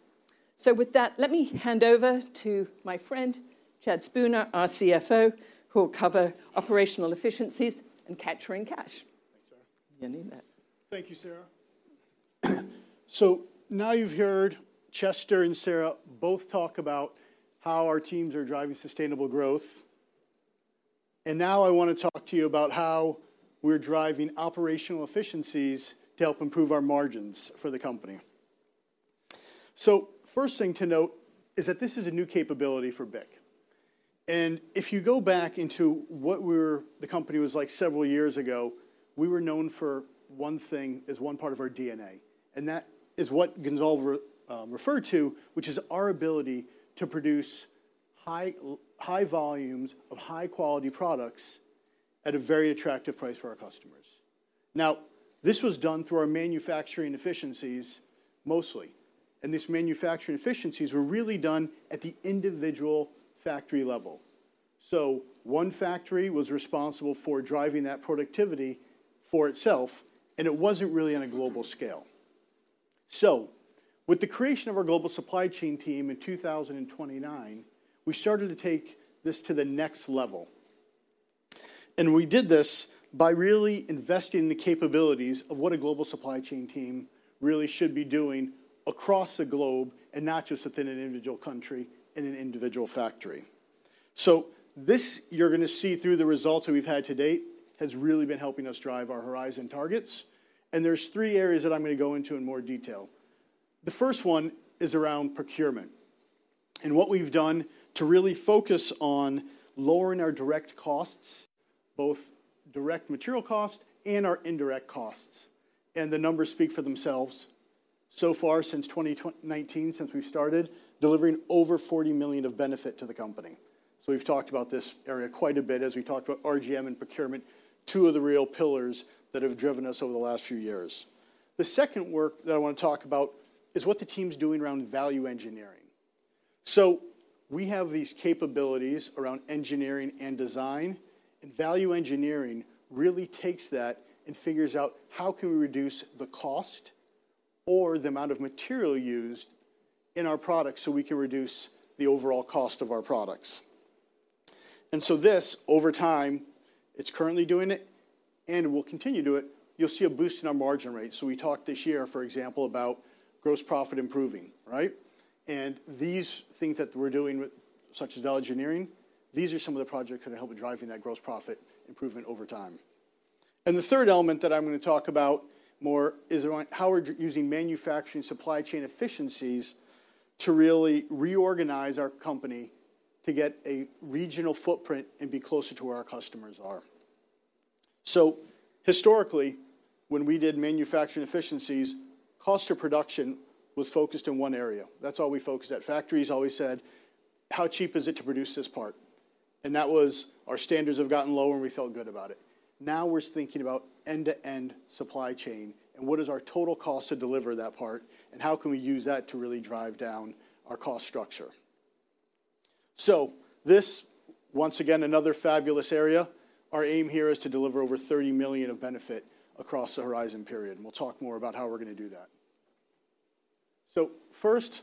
So with that, let me hand over to my friend, Chad Spooner, our CFO, who will cover operational efficiencies and capturing cash. Thanks, Sara. You need that. Thank you, Sara. So now you've heard Chester and Sara both talk about how our teams are driving sustainable growth, and now I wanna talk to you about how we're driving operational efficiencies to help improve our margins for the company. So first thing to note is that this is a new capability for BIC. And if you go back into what we were like several years ago, the company was known for one thing as one part of our DNA, and that is what Gonzalve referred to, which is our ability to produce high volumes of high-quality products at a very attractive price for our customers. Now, this was done through our manufacturing efficiencies, mostly, and these manufacturing efficiencies were really done at the individual factory level. One factory was responsible for driving that productivity for itself, and it wasn't really on a global scale. With the creation of our global supply chain team in 2029, we started to take this to the next level. We did this by really investing in the capabilities of what a global supply chain team really should be doing across the globe and not just within an individual country, in an individual factory. This, you're gonna see through the results that we've had to date, has really been helping us drive our Horizon targets, and there's three areas that I'm gonna go into in more detail. The first one is around procurement, and what we've done to really focus on lowering our direct costs, both direct material cost and our indirect costs. The numbers speak for themselves. So far, since 2019, since we've started, delivering over 40 million of benefit to the company. So we've talked about this area quite a bit as we talked about RGM and procurement, two of the real pillars that have driven us over the last few years. The second work that I wanna talk about is what the team's doing around Value Engineering. So we have these capabilities around engineering and design, and Value Engineering really takes that and figures out how can we reduce the cost or the amount of material used in our products, so we can reduce the overall cost of our products. And so this, over time, it's currently doing it, and it will continue to do it. You'll see a boost in our margin rate. So we talked this year, for example, about gross profit improving, right? And these things that we're doing with—such as value engineering, these are some of the projects that are helping driving that gross profit improvement over time. And the third element that I'm gonna talk about more is around how we're using manufacturing supply chain efficiencies to really reorganize our company to get a regional footprint and be closer to where our customers are. So historically, when we did manufacturing efficiencies, cost of production was focused in one area. That's all we focused at. Factories always said: "How cheap is it to produce this part?" And that was, our standards have gotten lower, and we felt good about it. Now, we're thinking about end-to-end supply chain, and what is our total cost to deliver that part, and how can we use that to really drive down our cost structure? So this, once again, another fabulous area. Our aim here is to deliver over 30 million of benefit across the Horizon period, and we'll talk more about how we're gonna do that. First,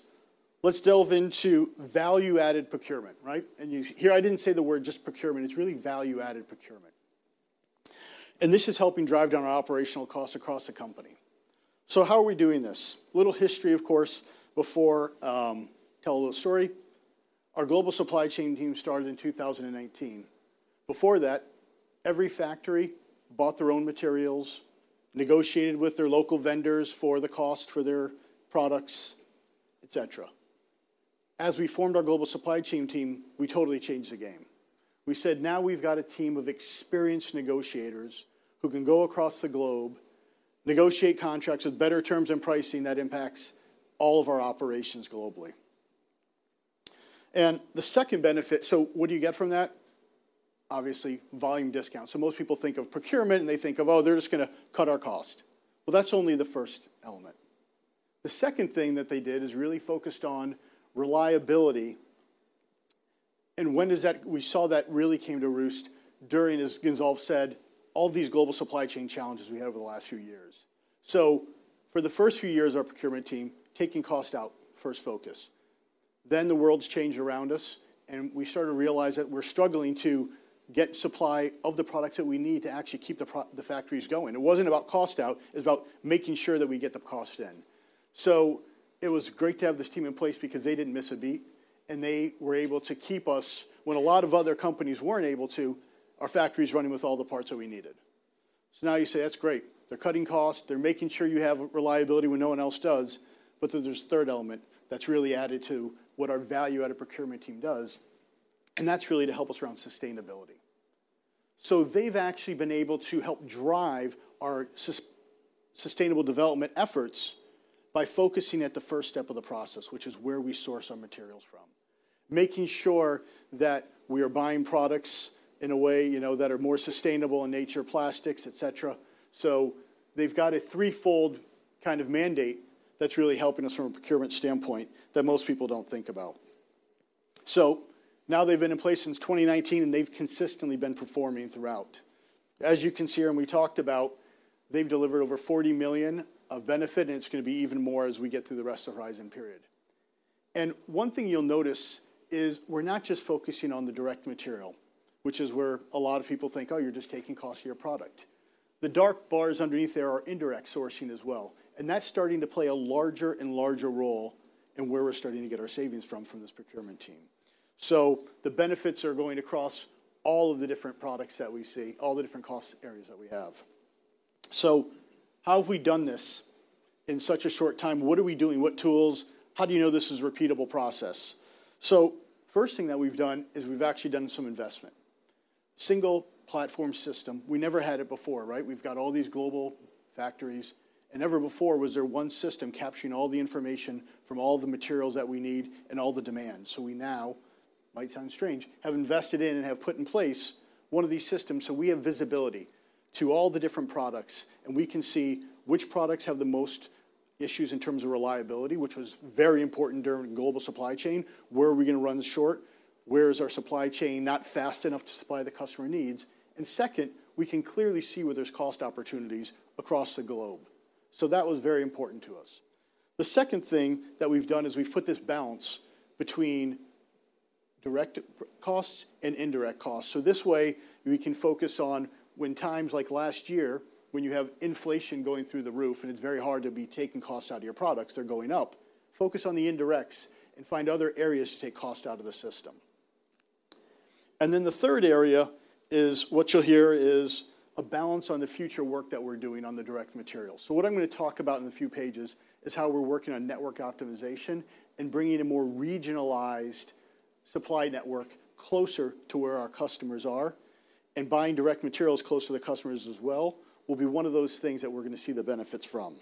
let's delve into value-added procurement, right? Here, I didn't say the word just procurement. It's really value-added procurement. And this is helping drive down our operational costs across the company. So how are we doing this? Little history, of course, before, tell a little story. Our global supply chain team started in 2019. Before that, every factory bought their own materials, negotiated with their local vendors for the cost for their products, et cetera. As we formed our global supply chain team, we totally changed the game. We said, "Now we've got a team of experienced negotiators who can go across the globe, negotiate contracts with better terms and pricing that impacts all of our operations globally." And the second benefit. So what do you get from that? Obviously, volume discounts. So most people think of procurement, and they think of, "Oh, they're just gonna cut our cost." Well, that's only the first element. The second thing that they did is really focused on reliability, and when does that, we saw that really came to roost during, as Gonzalve said, all these global supply chain challenges we had over the last few years. So for the first few years, our procurement team, taking cost out, first focus. Then the world's changed around us, and we started to realize that we're struggling to get supply of the products that we need to actually keep the factories going. It wasn't about cost out; it's about making sure that we get the cost in. So it was great to have this team in place because they didn't miss a beat, and they were able to keep us, when a lot of other companies weren't able to, our factories running with all the parts that we needed. So now you say, "That's great. They're cutting costs. They're making sure you have reliability when no one else does." But then there's a third element that's really added to what our value-added procurement team does, and that's really to help us around sustainability. So they've actually been able to help drive our sustainable development efforts by focusing at the first step of the process, which is where we source our materials from, making sure that we are buying products in a way, you know, that are more sustainable in nature, plastics, et cetera. So they've got a threefold kind of mandate that's really helping us from a procurement standpoint that most people don't think about. So now they've been in place since 2019, and they've consistently been performing throughout. As you can see, and we talked about, they've delivered over 40 million of benefit, and it's gonna be even more as we get through the rest of the Horizon period. One thing you'll notice is we're not just focusing on the direct material, which is where a lot of people think, "Oh, you're just taking cost of your product." The dark bars underneath there are indirect sourcing as well, and that's starting to play a larger and larger role in where we're starting to get our savings from, from this procurement team. So the benefits are going across all of the different products that we see, all the different cost areas that we have. So how have we done this in such a short time? What are we doing? What tools? How do you know this is a repeatable process? So first thing that we've done is we've actually done some investment. Single platform system, we never had it before, right? We've got all these global factories, and never before was there one system capturing all the information from all the materials that we need and all the demand. So we now, might sound strange, have invested in and have put in place one of these systems so we have visibility to all the different products, and we can see which products have the most issues in terms of reliability, which was very important during global supply chain. Where are we gonna run short? Where is our supply chain not fast enough to supply the customer needs? And second, we can clearly see where there's cost opportunities across the globe. So that was very important to us. The second thing that we've done is we've put this balance between direct product costs and indirect costs, so this way, we can focus on when times like last year, when you have inflation going through the roof and it's very hard to be taking costs out of your products, they're going up, focus on the indirects and find other areas to take cost out of the system. And then the third area is, what you'll hear is a balance on the future work that we're doing on the direct materials. So what I'm gonna talk about in a few pages is how we're working on network optimization and bringing a more regionalized supply network closer to where our customers are, and buying direct materials close to the customers as well, will be one of those things that we're gonna see the benefits from.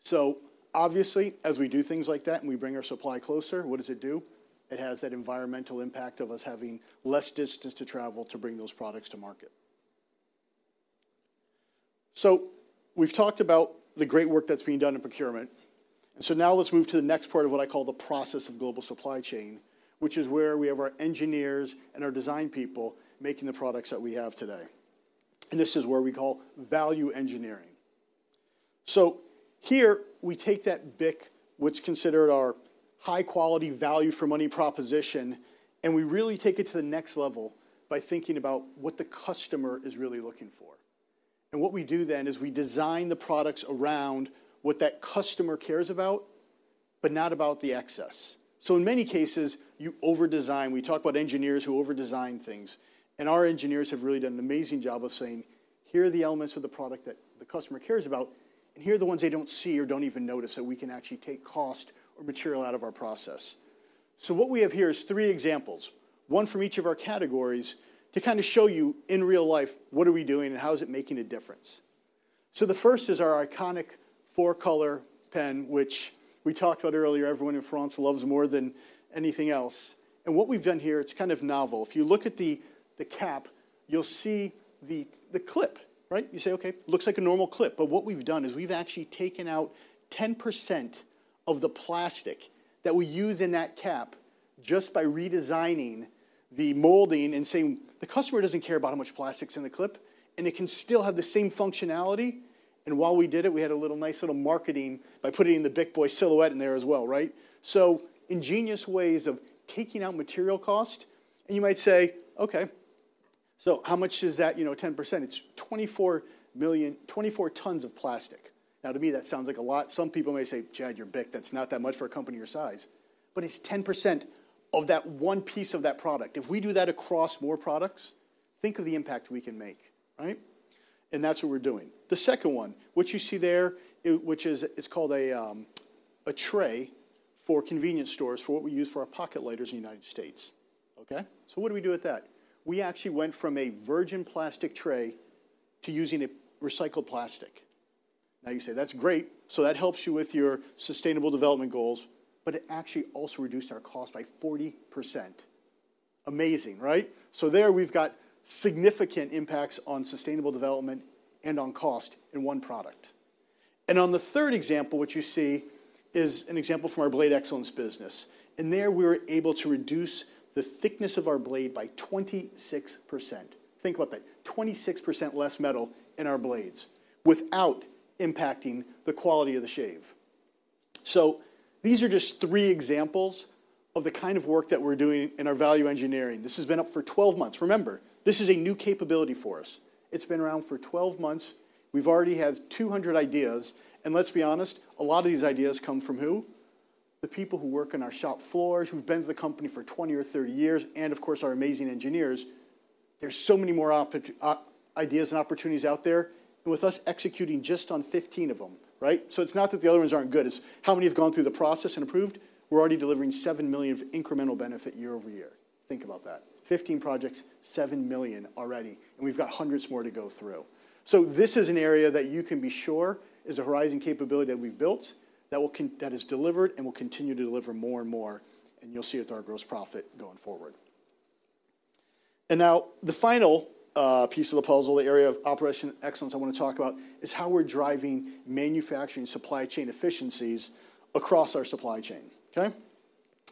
So obviously, as we do things like that, and we bring our supply closer, what does it do? It has that environmental impact of us having less distance to travel to bring those products to market. So we've talked about the great work that's being done in procurement. So now let's move to the next part of what I call the process of global supply chain, which is where we have our engineers and our design people making the products that we have today. And this is where we call Value Engineering. So here we take that BIC, what's considered our high-quality, value-for-money proposition, and we really take it to the next level by thinking about what the customer is really looking for. And what we do then is we design the products around what that customer cares about, but not about the excess. So in many cases, you overdesign. We talk about engineers who overdesign things, and our engineers have really done an amazing job of saying, "Here are the elements of the product that the customer cares about, and here are the ones they don't see or don't even notice, that we can actually take cost or material out of our process." So what we have here is three examples, one from each of our categories, to kinda show you in real life, what are we doing and how is it making a difference? So the first is our iconic 4-Color pen, which we talked about earlier, everyone in France loves more than anything else. And what we've done here, it's kind of novel. If you look at the cap, you'll see the clip, right? You say, "Okay, looks like a normal clip." But what we've done is we've actually taken out 10% of the plastic that we use in that cap just by redesigning the molding and saying, "The customer doesn't care about how much plastic's in the clip, and it can still have the same functionality." And while we did it, we had a little nice little marketing by putting the BIC Boy silhouette in there as well, right? So ingenious ways of taking out material cost. And you might say, "Okay, so how much is that, you know, 10%?" It's 24 million- 24 tons of plastic. Now, to me, that sounds like a lot. Some people may say, "Chad, you're BIC. That's not that much for a company your size." But it's 10% of that one piece of that product. If we do that across more products, think of the impact we can make, right? And that's what we're doing. The second one, what you see there, which is, it's called a tray for convenience stores, for what we use for our pocket lighters in the United States, okay? So what do we do with that? We actually went from a virgin plastic tray to using a recycled plastic. Now, you say, "That's great." So that helps you with your sustainable development goals, but it actually also reduced our cost by 40%. Amazing, right? So there we've got significant impacts on sustainable development and on cost in one product. And on the third example, what you see is an example from our Blade Excellence business, and there we were able to reduce the thickness of our blade by 26%. Think about that, 26% less metal in our blades without impacting the quality of the shave. So these are just three examples of the kind of work that we're doing in our Value Engineering. This has been up for 12 months. Remember, this is a new capability for us. It's been around for 12 months. We've already have 200 ideas, and let's be honest, a lot of these ideas come from who? The people who work in our shop floors, who've been to the company for 20 years or 30 years, and of course, our amazing engineers. There's so many more ideas and opportunities out there, and with us executing just on 15 of them, right? So it's not that the other ones aren't good, it's how many have gone through the process and approved. We're already delivering 7 million of incremental benefit year-over-year. Think about that. 15 projects, 7 million already, and we've got hundreds more to go through. So this is an area that you can be sure is a Horizon capability that we've built, that is delivered and will continue to deliver more and more, and you'll see it with our gross profit going forward. Now, the final piece of the puzzle, the area of operational excellence I wanna talk about, is how we're driving manufacturing supply chain efficiencies across our supply chain, okay?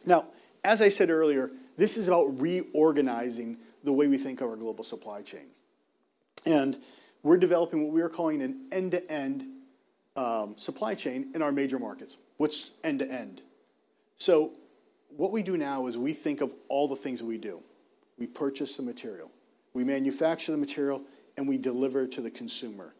Now, as I said earlier, this is about reorganizing the way we think of our global supply chain. And we're developing what we are calling an end-to-end supply chain in our major markets. What's end to end? So what we do now is we think of all the things we do. We purchase the material, we manufacture the material, and we deliver it to the consumer.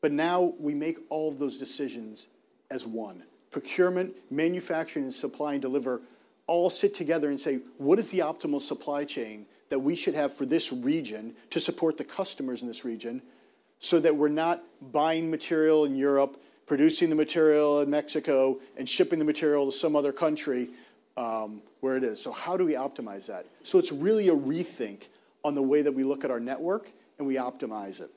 But now, we make all of those decisions as one. Procurement, manufacturing, and supply, and deliver all sit together and say, "What is the optimal supply chain that we should have for this region to support the customers in this region, so that we're not buying material in Europe, producing the material in Mexico, and shipping the material to some other country, where it is?" So how do we optimize that? So it's really a rethink on the way that we look at our network, and we optimize it.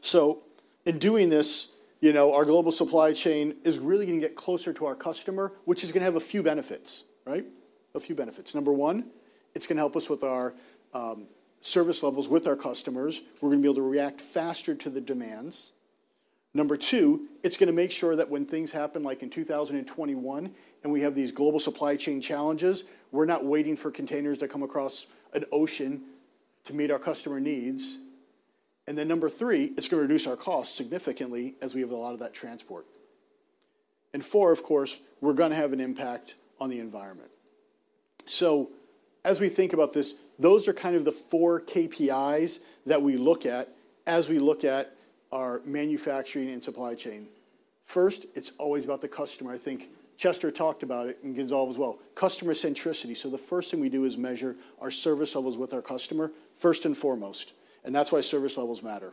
So in doing this, you know, our global supply chain is really gonna get closer to our customer, which is gonna have a few benefits, right? A few benefits. Number one, it's gonna help us with our service levels with our customers. We're gonna be able to react faster to the demands. Number two, it's gonna make sure that when things happen, like in 2021, and we have these global supply chain challenges, we're not waiting for containers to come across an ocean to meet our customer needs. And then, number three, it's gonna reduce our costs significantly as we have a lot of that transport. And four, of course, we're gonna have an impact on the environment. As we think about this, those are kind of the four KPIs that we look at as we look at our manufacturing and supply chain. First, it's always about the customer. I think Chester talked about it, and Gonzalve as well. Customer centricity. The first thing we do is measure our service levels with our customer, first and foremost, and that's why service levels matter.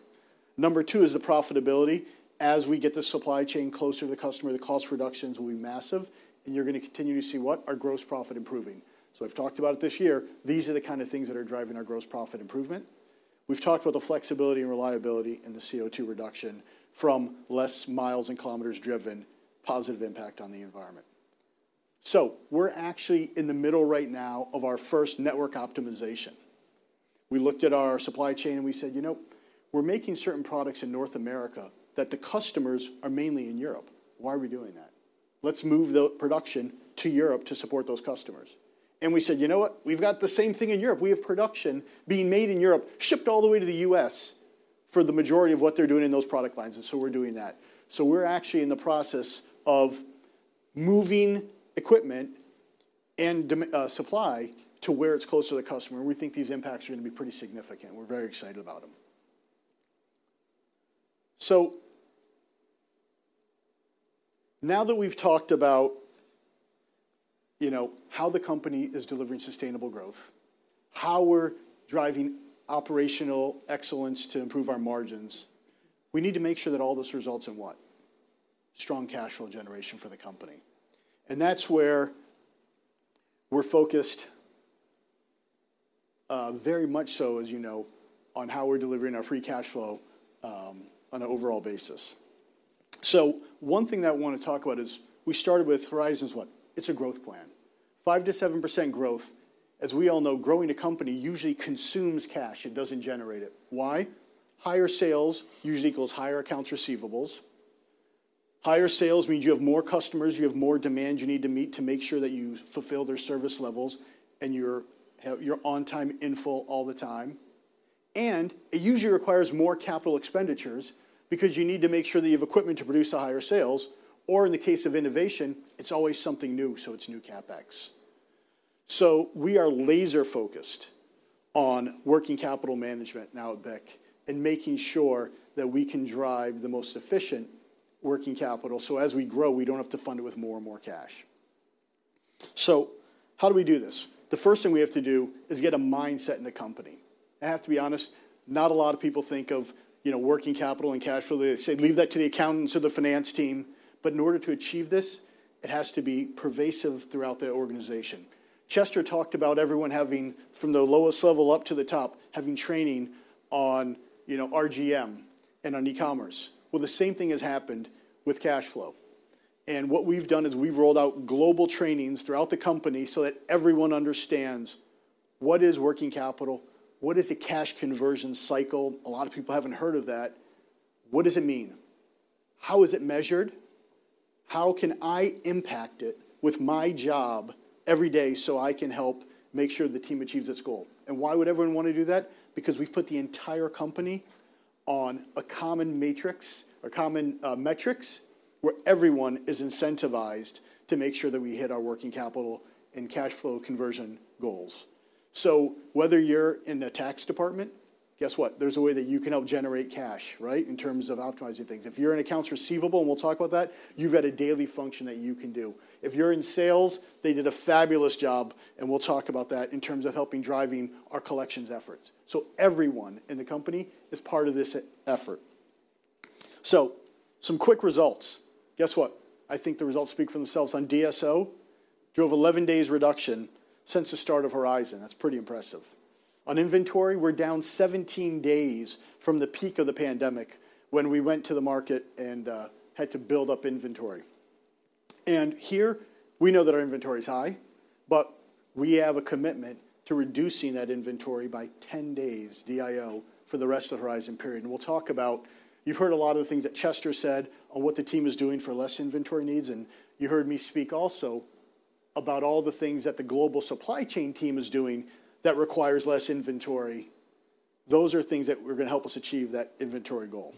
Number two is the profitability. As we get the supply chain closer to the customer, the cost reductions will be massive, and you're gonna continue to see what? Our gross profit improving. So I've talked about it this year. These are the kind of things that are driving our gross profit improvement. We've talked about the flexibility and reliability and the CO2 reduction from less miles and kilometers driven, positive impact on the environment. So we're actually in the middle right now of our first network optimization. We looked at our supply chain, and we said: "You know, we're making certain products in North America, that the customers are mainly in Europe. Why are we doing that? Let's move the production to Europe to support those customers." And we said: "You know what? We've got the same thing in Europe. We have production being made in Europe, shipped all the way to the U.S. for the majority of what they're doing in those product lines, and so we're doing that. So we're actually in the process of moving equipment and demand supply to where it's closer to the customer, and we think these impacts are gonna be pretty significant. We're very excited about them. So now that we've talked about, you know, how the company is delivering sustainable growth, how we're driving operational excellence to improve our margins, we need to make sure that all this results in what? Strong cash flow generation for the company. And that's where we're focused very much so, as you know, on how we're delivering our free cash flow on an overall basis. So one thing that I wanna talk about is, we started with Horizon what? It's a growth plan. 5%-7% growth. As we all know, growing a company usually consumes cash, it doesn't generate it. Why? Higher sales usually equals higher accounts receivables. Higher sales means you have more customers, you have more demand you need to meet to make sure that you fulfill their service levels, and you're on time, in full, all the time. And it usually requires more capital expenditures because you need to make sure that you have equipment to produce the higher sales, or in the case of innovation, it's always something new, so it's new CapEx. So we are laser-focused on working capital management now at BIC, and making sure that we can drive the most efficient working capital, so as we grow, we don't have to fund it with more and more cash. So how do we do this? The first thing we have to do is get a mindset in the company. I have to be honest, not a lot of people think of, you know, working capital and cash flow. They say, "Leave that to the accountants or the finance team." But in order to achieve this, it has to be pervasive throughout the organization. Chester talked about everyone having, from the lowest level up to the top, having training on, you know, RGM and on e-commerce. Well, the same thing has happened with cash flow. What we've done is we've rolled out global trainings throughout the company so that everyone understands what is working capital, what is a cash conversion cycle? A lot of people haven't heard of that. What does it mean? How is it measured? How can I impact it with my job every day, so I can help make sure the team achieves its goal? And why would everyone want to do that? Because we've put the entire company on a common matrix, or common metrics, where everyone is incentivized to make sure that we hit our working capital and cash flow conversion goals. So whether you're in the tax department, guess what? There's a way that you can help generate cash, right? In terms of optimizing things. If you're in accounts receivable, and we'll talk about that, you've got a daily function that you can do. If you're in sales, they did a fabulous job, and we'll talk about that, in terms of helping driving our collections efforts. So everyone in the company is part of this effort. So some quick results. Guess what? I think the results speak for themselves. On DSO, drove 11 days reduction since the start of Horizon. That's pretty impressive. On inventory, we're down 17 days from the peak of the pandemic, when we went to the market and had to build up inventory. Here, we know that our inventory is high, but we have a commitment to reducing that inventory by 10 days, DIO, for the rest of the Horizon period. We'll talk about. You've heard a lot of the things that Chester said on what the team is doing for less inventory needs, and you heard me speak also about all the things that the global supply chain team is doing that requires less inventory. Those are things that were gonna help us achieve that inventory goal.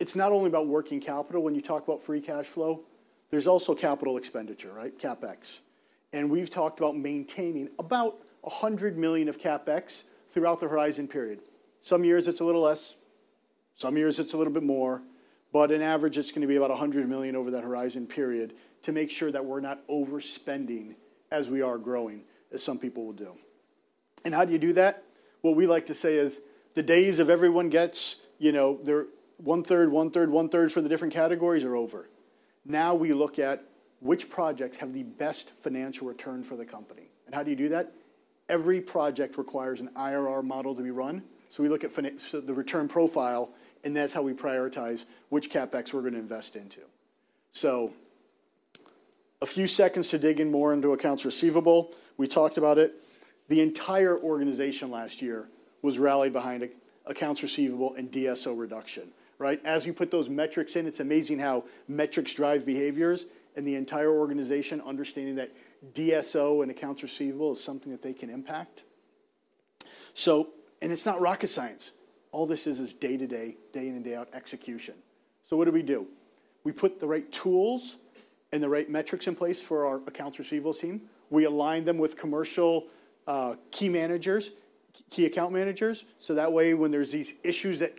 It's not only about working capital when you talk about free cash flow. There's also capital expenditure, right? CapEx. We've talked about maintaining about 100 million of CapEx throughout the Horizon period. Some years it's a little less, some years it's a little bit more, but on average, it's gonna be about 100 million over that Horizon period to make sure that we're not overspending as we are growing, as some people will do. How do you do that? What we like to say is, the days of everyone gets, you know, their one-third, one-third, one-third from the different categories are over. Now, we look at which projects have the best financial return for the company. How do you do that? Every project requires an IRR model to be run, so we look at so the return profile, and that's how we prioritize which CapEx we're gonna invest into. A few seconds to dig in more into accounts receivable. We talked about it. The entire organization last year was rallied behind accounts receivable and DSO reduction, right? As you put those metrics in, it's amazing how metrics drive behaviors and the entire organization understanding that DSO and accounts receivable is something that they can impact. So, it's not rocket science. All this is, is day-to-day, day in and day out, execution. So what do we do? We put the right tools and the right metrics in place for our accounts receivable team. We align them with commercial key managers, key account managers, so that way, when there's these issues that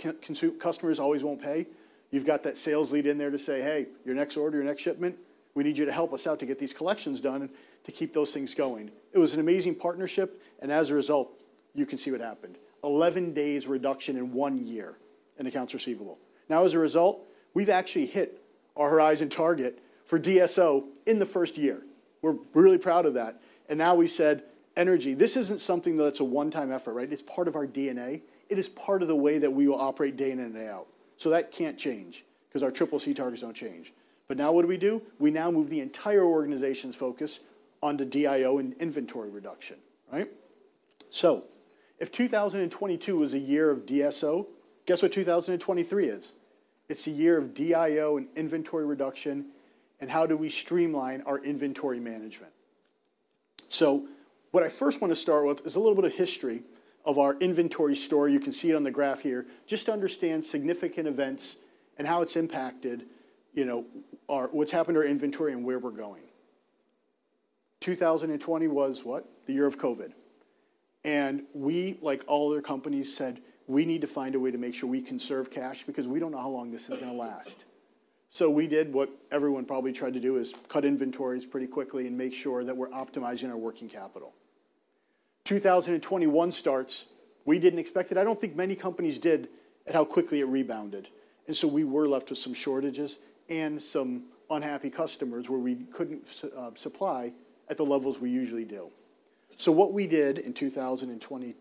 customers always won't pay, you've got that sales lead in there to say, "Hey, your next order, your next shipment, we need you to help us out to get these collections done and to keep those things going." It was an amazing partnership, and as a result, you can see what happened. 11 days reduction in one year in accounts receivable. Now, as a result, we've actually hit our Horizon target for DSO in the first year. We're really proud of that, and now we said, "Energy." This isn't something that's a one-time effort, right? It's part of our DNA. It is part of the way that we will operate day in and day out. So that can't change, 'cause our CCC targets don't change. But now what do we do? We now move the entire organization's focus on to DIO and inventory reduction, right? So if 2022 was a year of DSO, guess what 2023 is? It's a year of DIO and inventory reduction, and how do we streamline our inventory management? So what I first want to start with is a little bit of history of our inventory story. You can see it on the graph here. Just to understand significant events and how it's impacted, you know, our what's happened to our inventory and where we're going. 2020 was what? The year of COVID. We, like all other companies, said: "We need to find a way to make sure we conserve cash, because we don't know how long this is gonna last." So we did what everyone probably tried to do, is cut inventories pretty quickly and make sure that we'rce optimizing our working capital. 2021 starts, we didn't expect it. I don't think many companies did, at how quickly it rebounded. And so we were left with some shortages and some unhappy customers, where we couldn't supply at the levels we usually do. So what we did in 2020,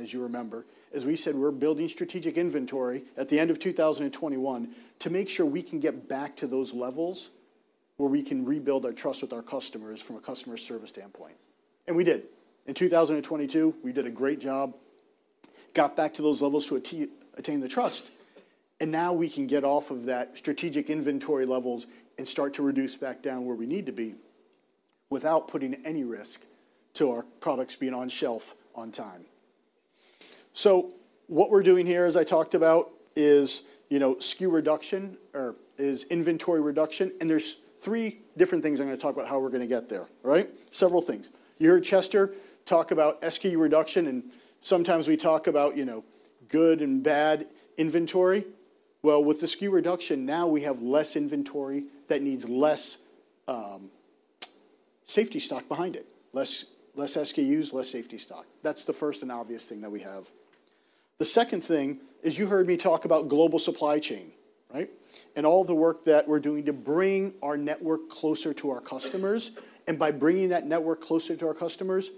as you remember, is we said: "We're building strategic inventory at the end of 2021 to make sure we can get back to those levels, where we can rebuild our trust with our customers from a customer service standpoint." And we did. In 2022, we did a great job, got back to those levels to attain the trust, and now we can get off of that strategic inventory levels and start to reduce back down where we need to be, without putting any risk to our products being on shelf on time. So what we're doing here, as I talked about, is, you know, SKU reduction, or is inventory reduction, and there's three different things I'm gonna talk about how we're gonna get there. All right? Several things. You heard Chester talk about SKU reduction, and sometimes we talk about, you know, good and bad inventory. Well, with the SKU reduction, now we have less inventory that needs less safety stock behind it, less, less SKUs, less safety stock. That's the first and obvious thing that we have. The second thing is, you heard me talk about global supply chain, right? And all the work that we're doing to bring our network closer to our customers, and by bringing that network closer to our customers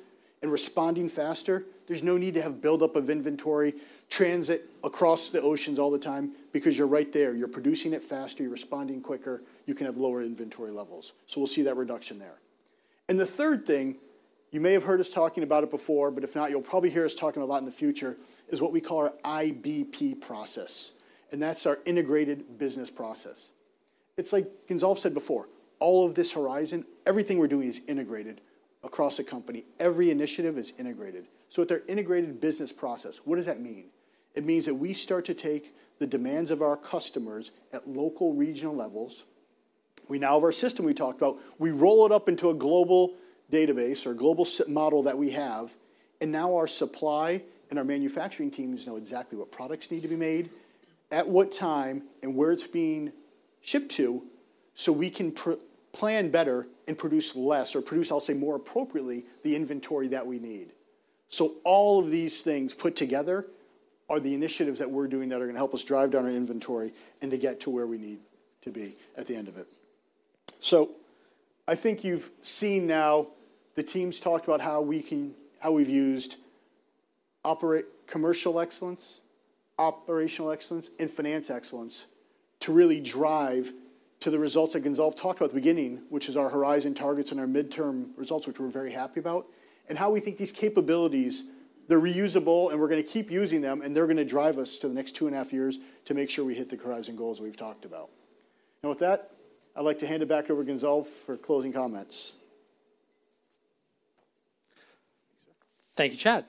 and responding faster, there's no need to have buildup of inventory, transit across the oceans all the time, because you're right there. You're producing it faster, you're responding quicker, you can have lower inventory levels. So we'll see that reduction there. The third thing, you may have heard us talking about it before, but if not, you'll probably hear us talking a lot in the future, is what we call our IBP process, and that's our integrated business process. It's like Gonzalve said before, all of this Horizon, everything we're doing is integrated across the company. Every initiative is integrated. So with our integrated business process, what does that mean? It means that we start to take the demands of our customers at local regional levels. We now have our system we talked about, we roll it up into a global database or global model that we have, and now our supply and our manufacturing teams know exactly what products need to be made, at what time, and where it's being shipped to, so we can plan better and produce less or produce, I'll say, more appropriately, the inventory that we need. So all of these things put together are the initiatives that we're doing that are gonna help us drive down our inventory and to get to where we need to be at the end of it. So I think you've seen now, the teams talked about how we've used commercial excellence, operational excellence, and finance excellence to really drive to the results that Gonzalve talked about at the beginning, which is our Horizon targets and our midterm results, which we're very happy about, and how we think these capabilities, they're reusable, and we're gonna keep using them, and they're gonna drive us to the next two and a half years to make sure we hit the Horizon goals we've talked about. And with that, I'd like to hand it back over to Gonzalve for closing comments. Thank you, Chad.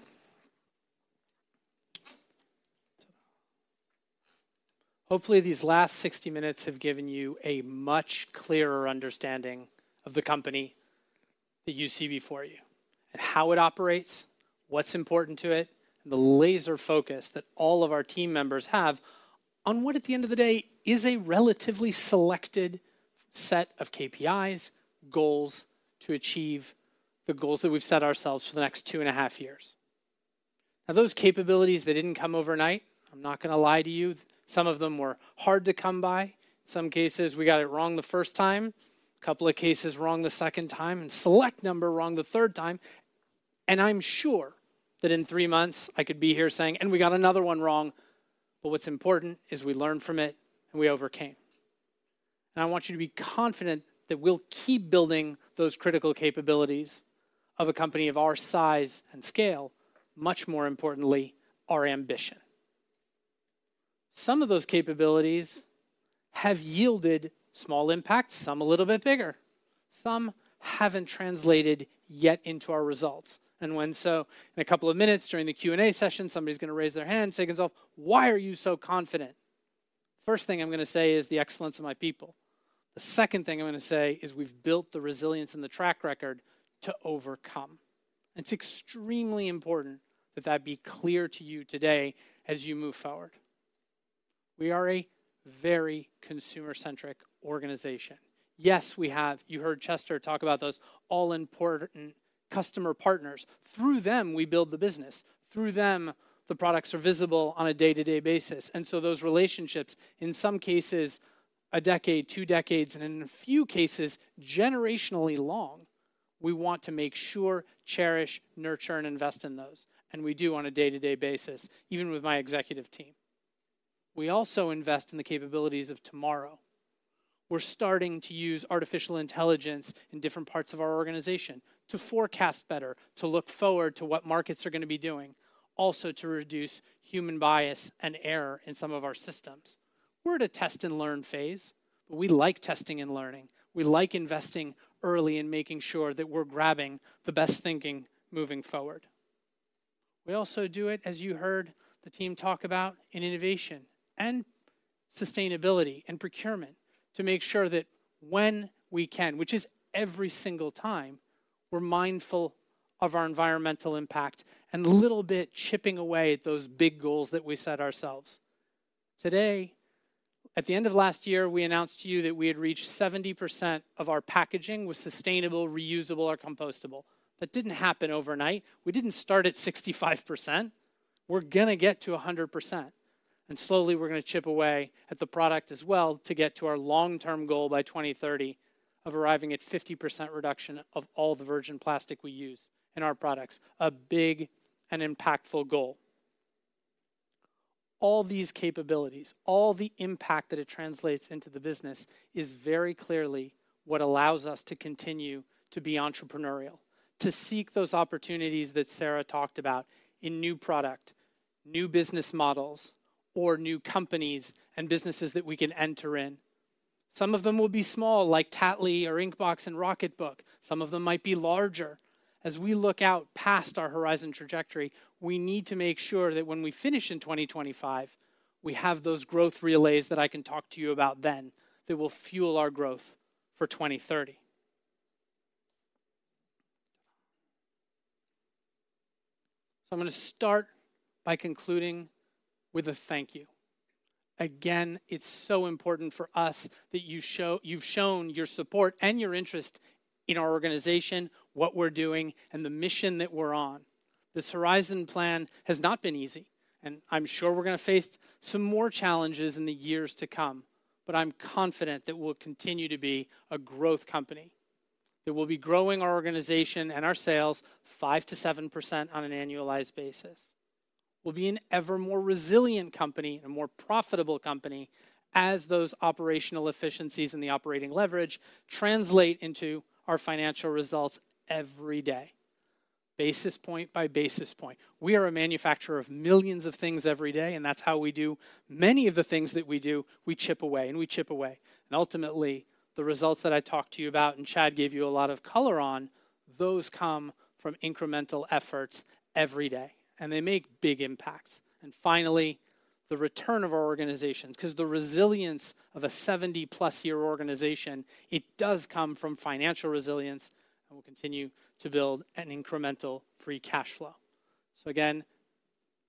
Hopefully, these last 60 minutes have given you a much clearer understanding of the company that you see before you, and how it operates, what's important to it, the laser focus that all of our team members have on what, at the end of the day, is a relatively selected set of KPIs, goals, to achieve the goals that we've set ourselves for the next 2.5 years. Now, those capabilities, they didn't come overnight. I'm not gonna lie to you, some of them were hard to come by. Some cases, we got it wrong the first time, a couple of cases wrong the second time, and select number wrong the third time. And I'm sure that in three months I could be here saying, "And we got another one wrong," but what's important is we learned from it, and we overcame. I want you to be confident that we'll keep building those critical capabilities of a company of our size and scale, much more importantly, our ambition. Some of those capabilities have yielded small impacts, some a little bit bigger. Some haven't translated yet into our results, and when so, in a couple of minutes, during the Q&A session, somebody's gonna raise their hand and say, "Gonzalve, why are you so confident?" First thing I'm gonna say is the excellence of my people. The second thing I'm gonna say is we've built the resilience and the track record to overcome. It's extremely important that that be clear to you today as you move forward. We are a very consumer-centric organization. Yes, we have. You heard Chester talk about those all-important customer partners. Through them, we build the business. Through them, the products are visible on a day-to-day basis, and so those relationships, in some cases, a decade, two decades, and in a few cases, generationally long, we want to make sure, cherish, nurture, and invest in those, and we do on a day-to-day basis, even with my executive team. We also invest in the capabilities of tomorrow. We're starting to use artificial intelligence in different parts of our organization to forecast better, to look forward to what markets are gonna be doing, also to reduce human bias and error in some of our systems. We're at a test and learn phase, but we like testing and learning. We like investing early and making sure that we're grabbing the best thinking moving forward. We also do it, as you heard the team talk about, in innovation and sustainability and procurement, to make sure that when we can, which is every single time, we're mindful of our environmental impact and little bit chipping away at those big goals that we set ourselves. Today, at the end of last year, we announced to you that we had reached 70% of our packaging was sustainable, reusable, or compostable. That didn't happen overnight. We didn't start at 65%. We're gonna get to 100%, and slowly, we're gonna chip away at the product as well to get to our long-term goal by 2030 of arriving at 50% reduction of all the virgin plastic we use in our products. A big and impactful goal. All these capabilities, all the impact that it translates into the business, is very clearly what allows us to continue to be entrepreneurial, to seek those opportunities that Sara talked about in new product, new business models, or new companies and businesses that we can enter in. Some of them will be small, like Tattly or Inkbox and Rocketbook. Some of them might be larger. As we look out past our Horizon trajectory, we need to make sure that when we finish in 2025, we have those growth relays that I can talk to you about then, that will fuel our growth for 2030. So I'm gonna start by concluding with a thank you. Again, it's so important for us that you've shown your support and your interest in our organization, what we're doing, and the mission that we're on. This Horizon Plan has not been easy, and I'm sure we're gonna face some more challenges in the years to come, but I'm confident that we'll continue to be a growth company, that we'll be growing our organization and our sales 5%-7% on an annualized basis. We'll be an ever more resilient company and a more profitable company as those operational efficiencies and the operating leverage translate into our financial results every day, basis point by basis point. We are a manufacturer of millions of things every day, and that's how we do many of the things that we do, we chip away, and we chip away. And ultimately, the results that I talked to you about, and Chad gave you a lot of color on, those come from incremental efforts every day, and they make big impacts. And finally, the return of our organization, 'cause the resilience of a 70+-year organization, it does come from financial resilience, and we'll continue to build an incremental free cash flow. So again,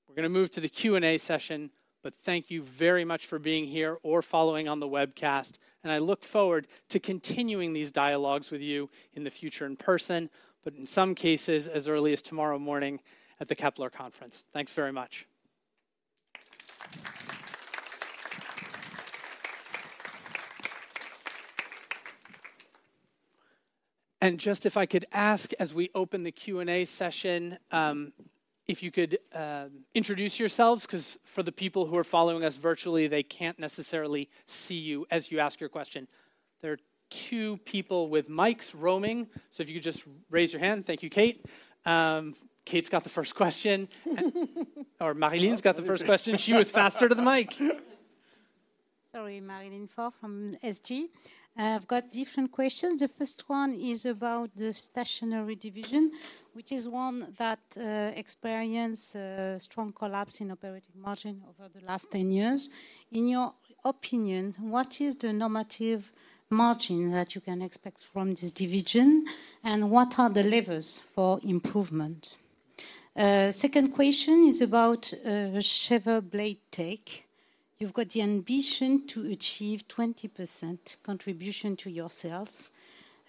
we're gonna move to the Q&A session, but thank you very much for being here or following on the webcast, and I look forward to continuing these dialogues with you in the future in person, but in some cases, as early as tomorrow morning at the Kepler Conference. Thanks very much. And just if I could ask, as we open the Q&A session, if you could introduce yourselves, 'cause for the people who are following us virtually, they can't necessarily see you as you ask your question. There are two people with mics roaming, so if you could just raise your hand. Thank you, Kate. Kate's got the first question. Marie-Line's got the first question. She was faster to the mic. Sorry. Marie-Line Fort from SG. I've got different questions. The first one is about the Stationery division, which is one that experienced a strong collapse in operating margin over the last 10 years. In your opinion, what is the normative margin that you can expect from this division, and what are the levers for improvement? Second question is about the BIC Blade Tech. You've got the ambition to achieve 20% contribution to your sales.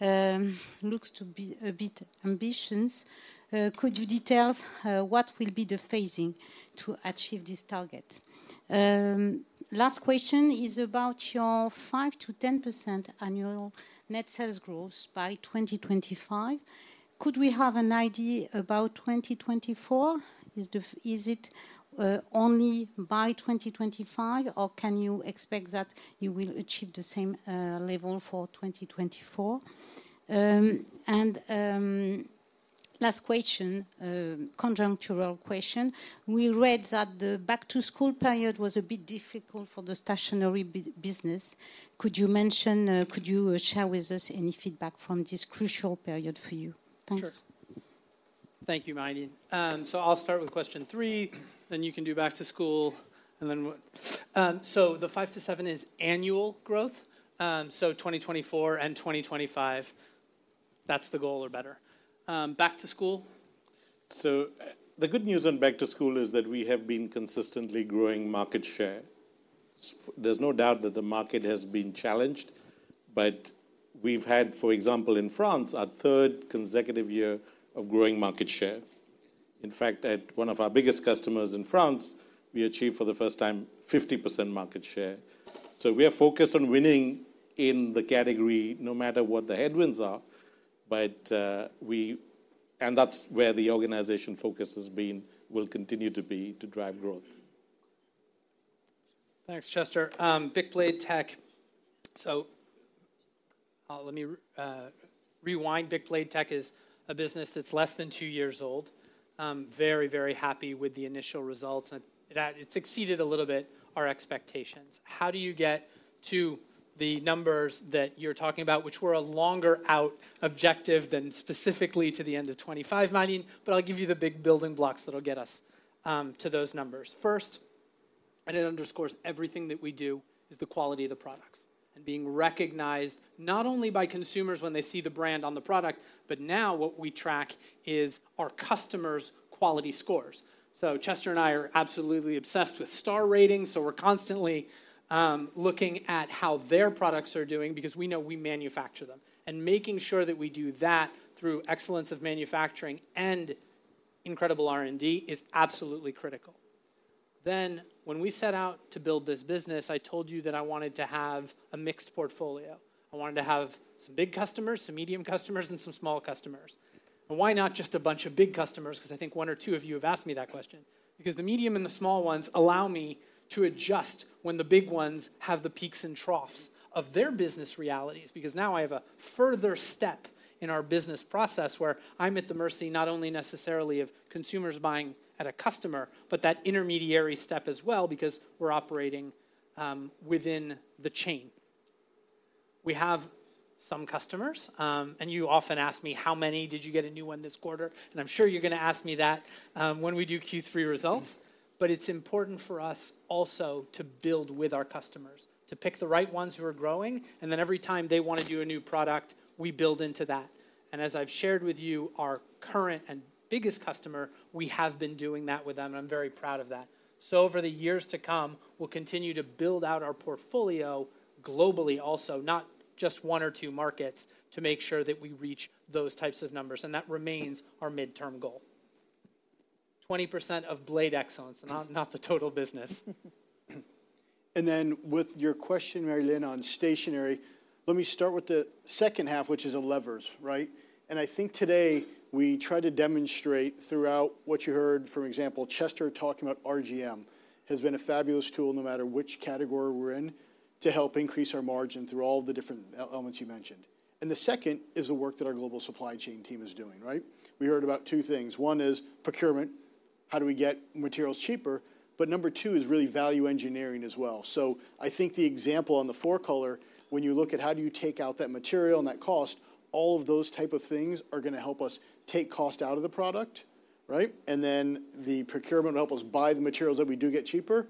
Looks to be a bit ambitious. Could you detail what will be the phasing to achieve this target? Last question is about your 5%-10% annual net sales growth by 2025. Could we have an idea about 2024? Is it only by 2025, or can you expect that you will achieve the same level for 2024? Last question, conjunctural question: We read that the back-to-school period was a bit difficult for the stationery business. Could you share with us any feedback from this crucial period for you? Thanks. Sure. Thank you, Marie-Line. So I'll start with question three, then you can do back to school, and then so the 5%-7% is annual growth, so 2024 and 2025, that's the goal or better. Back to school? So, the good news on back to school is that we have been consistently growing market share. There's no doubt that the market has been challenged, but we've had, for example, in France, our third consecutive year of growing market share. In fact, at one of our biggest customers in France, we achieved, for the first time, 50% market share. So we are focused on winning in the category, no matter what the headwinds are, but, and that's where the organization focus has been, will continue to be, to drive growth. Thanks, Chester. BIC Blade Tech. So, let me rewind. BIC Blade Tech is a business that's less than two years old. I'm very, very happy with the initial results, and that it's exceeded a little bit our expectations. How do you get to the numbers that you're talking about, which were a longer out objective than specifically to the end of 2025, Marie-Line? But I'll give you the big building blocks that'll get us to those numbers. First, and it underscores everything that we do, is the quality of the products, and being recognized not only by consumers when they see the brand on the product, but now what we track is our customers' quality scores. So Chester and I are absolutely obsessed with star ratings, so we're constantly looking at how their products are doing because we know we manufacture them. Making sure that we do that through excellence of manufacturing and incredible R&D is absolutely critical. Then, when we set out to build this business, I told you that I wanted to have a mixed portfolio. I wanted to have some big customers, some medium customers, and some small customers. And why not just a bunch of big customers? 'Cause I think one or two of you have asked me that question. Because the medium and the small ones allow me to adjust when the big ones have the peaks and troughs of their business realities, because now I have a further step in our business process, where I'm at the mercy, not only necessarily of consumers buying at a customer, but that intermediary step as well, because we're operating within the chain. We have some customers, and you often ask me, "How many? Did you get a new one this quarter?" And I'm sure you're gonna ask me that, when we do Q3 results. But it's important for us also to build with our customers, to pick the right ones who are growing, and then every time they wanna do a new product, we build into that. And as I've shared with you, our current and biggest customer, we have been doing that with them, and I'm very proud of that. So over the years to come, we'll continue to build out our portfolio globally, also, not just one or two markets, to make sure that we reach those types of numbers, and that remains our midterm goal. 20% of Blade Excellence, not, not the total business. Then with your question, Marie-Line, on Stationery, let me start with the second half, which is on levers, right? I think today we tried to demonstrate throughout what you heard, for example, Chester talking about RGM, has been a fabulous tool, no matter which category we're in, to help increase our margin through all the different elements you mentioned. The second is the work that our global supply chain team is doing, right? We heard about two things. One is procurement. how do we get materials cheaper? But number two is really value engineering as well. So I think the example on the 4-Color, when you look at how do you take out that material and that cost, all of those type of things are gonna help us take cost out of the product, right? And then the procurement will help us buy the materials that we do get cheaper,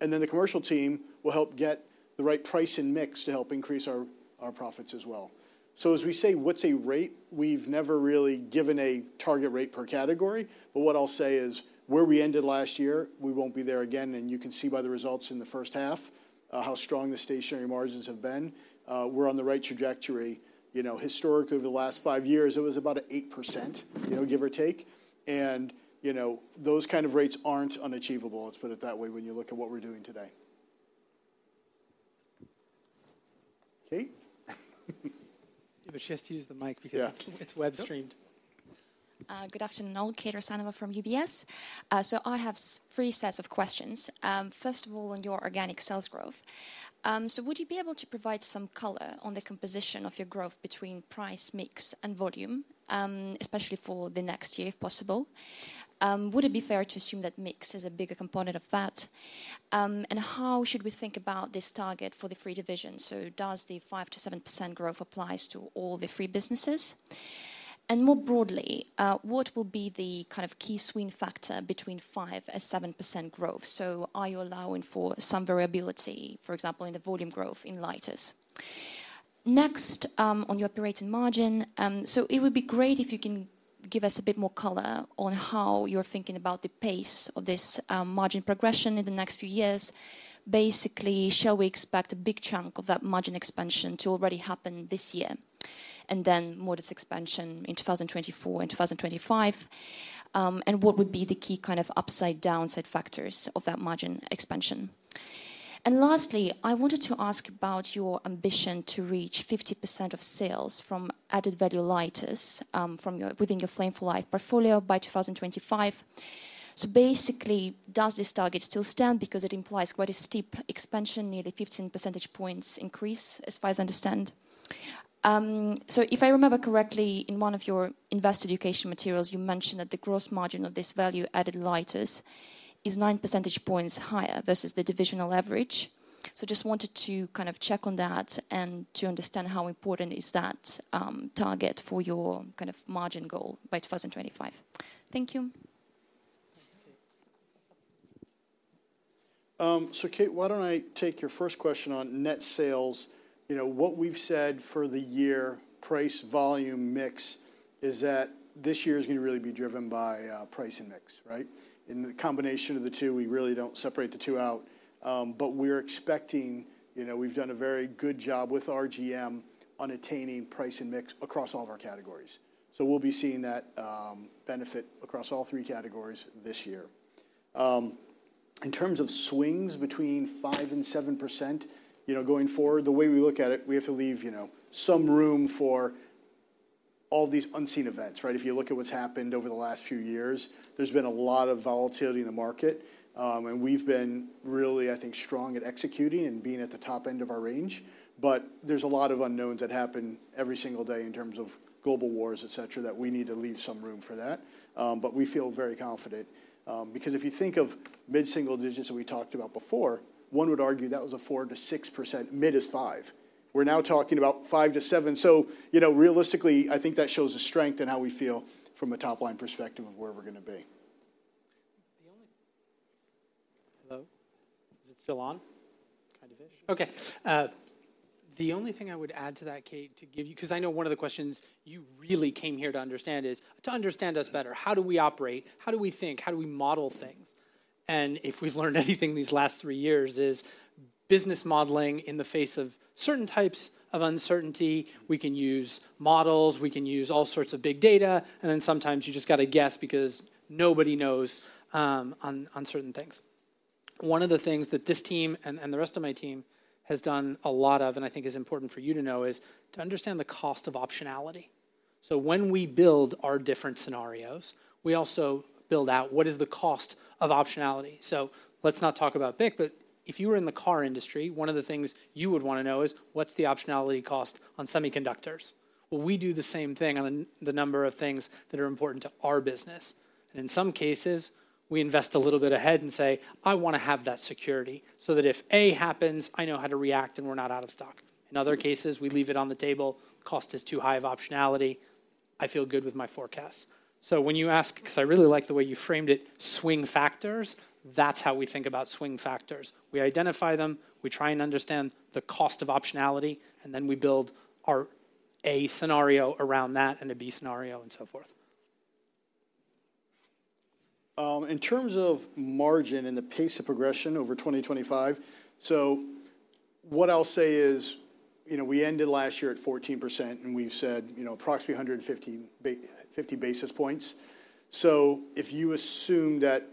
and then the commercial team will help get the right price and mix to help increase our, our profits as well. So as we say, what's a rate? We've never really given a target rate per category, but what I'll say is, where we ended last year, we won't be there again, and you can see by the results in the first half, how strong the stationery margins have been. We're on the right trajectory. You know, historically, over the last five years, it was about 8%, you know, give or take, and, you know, those kind of rates aren't unachievable, let's put it that way, when you look at what we're doing today. Kate? But she has to use the mic because- Yeah it's web streamed. Good afternoon, all. Kate Rusanova from UBS. I have three sets of questions. First of all, on your organic sales growth, would you be able to provide some color on the composition of your growth between price, mix, and volume, especially for the next year, if possible? Would it be fair to assume that mix is a bigger component of that? And how should we think about this target for the three divisions? Does the 5%-7% growth apply to all three businesses? And more broadly, what will be the kind of key swing factor between 5%-7% growth? Are you allowing for some variability, for example, in the volume growth in lighters? Next, on your operating margin, so it would be great if you can give us a bit more color on how you're thinking about the pace of this, margin progression in the next few years. Basically, shall we expect a big chunk of that margin expansion to already happen this year, and then more this expansion in 2024 and 2025? And what would be the key kind of upside, downside factors of that margin expansion? And lastly, I wanted to ask about your ambition to reach 50% of sales from added value lighters, from your within your Flame for Life portfolio by 2025. So basically, does this target still stand? Because it implies quite a steep expansion, nearly 15 percentage points increase, as far as I understand. So if I remember correctly, in one of your investor education materials, you mentioned that the gross margin of this value-added lighters is 9 percentage points higher versus the divisional average. So just wanted to kind of check on that and to understand how important is that target for your kind of margin goal by 2025. Thank you. So Kate, why don't I take your first question on net sales. You know, what we've said for the year, price, volume, mix, is that this year is gonna really be driven by, price and mix, right? In the combination of the two, we really don't separate the two out, but we're expecting. You know, we've done a very good job with our GM on attaining price and mix across all of our categories. So we'll be seeing that, benefit across all three categories this year. In terms of swings between 5% and 7%, you know, going forward, the way we look at it, we have to leave, you know, some room for all these unseen events, right? If you look at what's happened over the last few years, there's been a lot of volatility in the market, and we've been really, I think, strong at executing and being at the top end of our range. But there's a lot of unknowns that happen every single day in terms of global wars, et cetera, that we need to leave some room for that. But we feel very confident, because if you think of mid-single digits that we talked about before, one would argue that was a 4%-6%, mid is 5%. We're now talking about 5%-7%. So, you know, realistically, I think that shows the strength in how we feel from a top-line perspective of where we're gonna be. Hello? Is it still on? Kind of ish. Okay. The only thing I would add to that, Kate, to give you—'cause I know one of the questions you really came here to understand is, to understand us better, how do we operate? How do we think? How do we model things? And if we've learned anything these last three years is business modeling in the face of certain types of uncertainty, we can use models, we can use all sorts of big data, and then sometimes you just gotta guess because nobody knows on, on certain things. One of the things that this team and, and the rest of my team has done a lot of, and I think is important for you to know, is to understand the cost of optionality. So when we build our different scenarios, we also build out what is the cost of optionality. So let's not talk about BIC, but if you were in the car industry, one of the things you would wanna know is, what's the optionality cost on semiconductors? Well, we do the same thing on the number of things that are important to our business. And in some cases, we invest a little bit ahead and say, "I wanna have that security so that if A happens, I know how to react, and we're not out of stock." In other cases, we leave it on the table. Cost is too high of optionality. I feel good with my forecast. So when you ask, 'cause I really like the way you framed it, swing factors, that's how we think about swing factors. We identify them, we try and understand the cost of optionality, and then we build our A scenario around that, and a B scenario, and so forth. In terms of margin and the pace of progression over 2025, so what I'll say is, you know, we ended last year at 14%, and we've said, you know, approximately 150 basis points. So if you assume that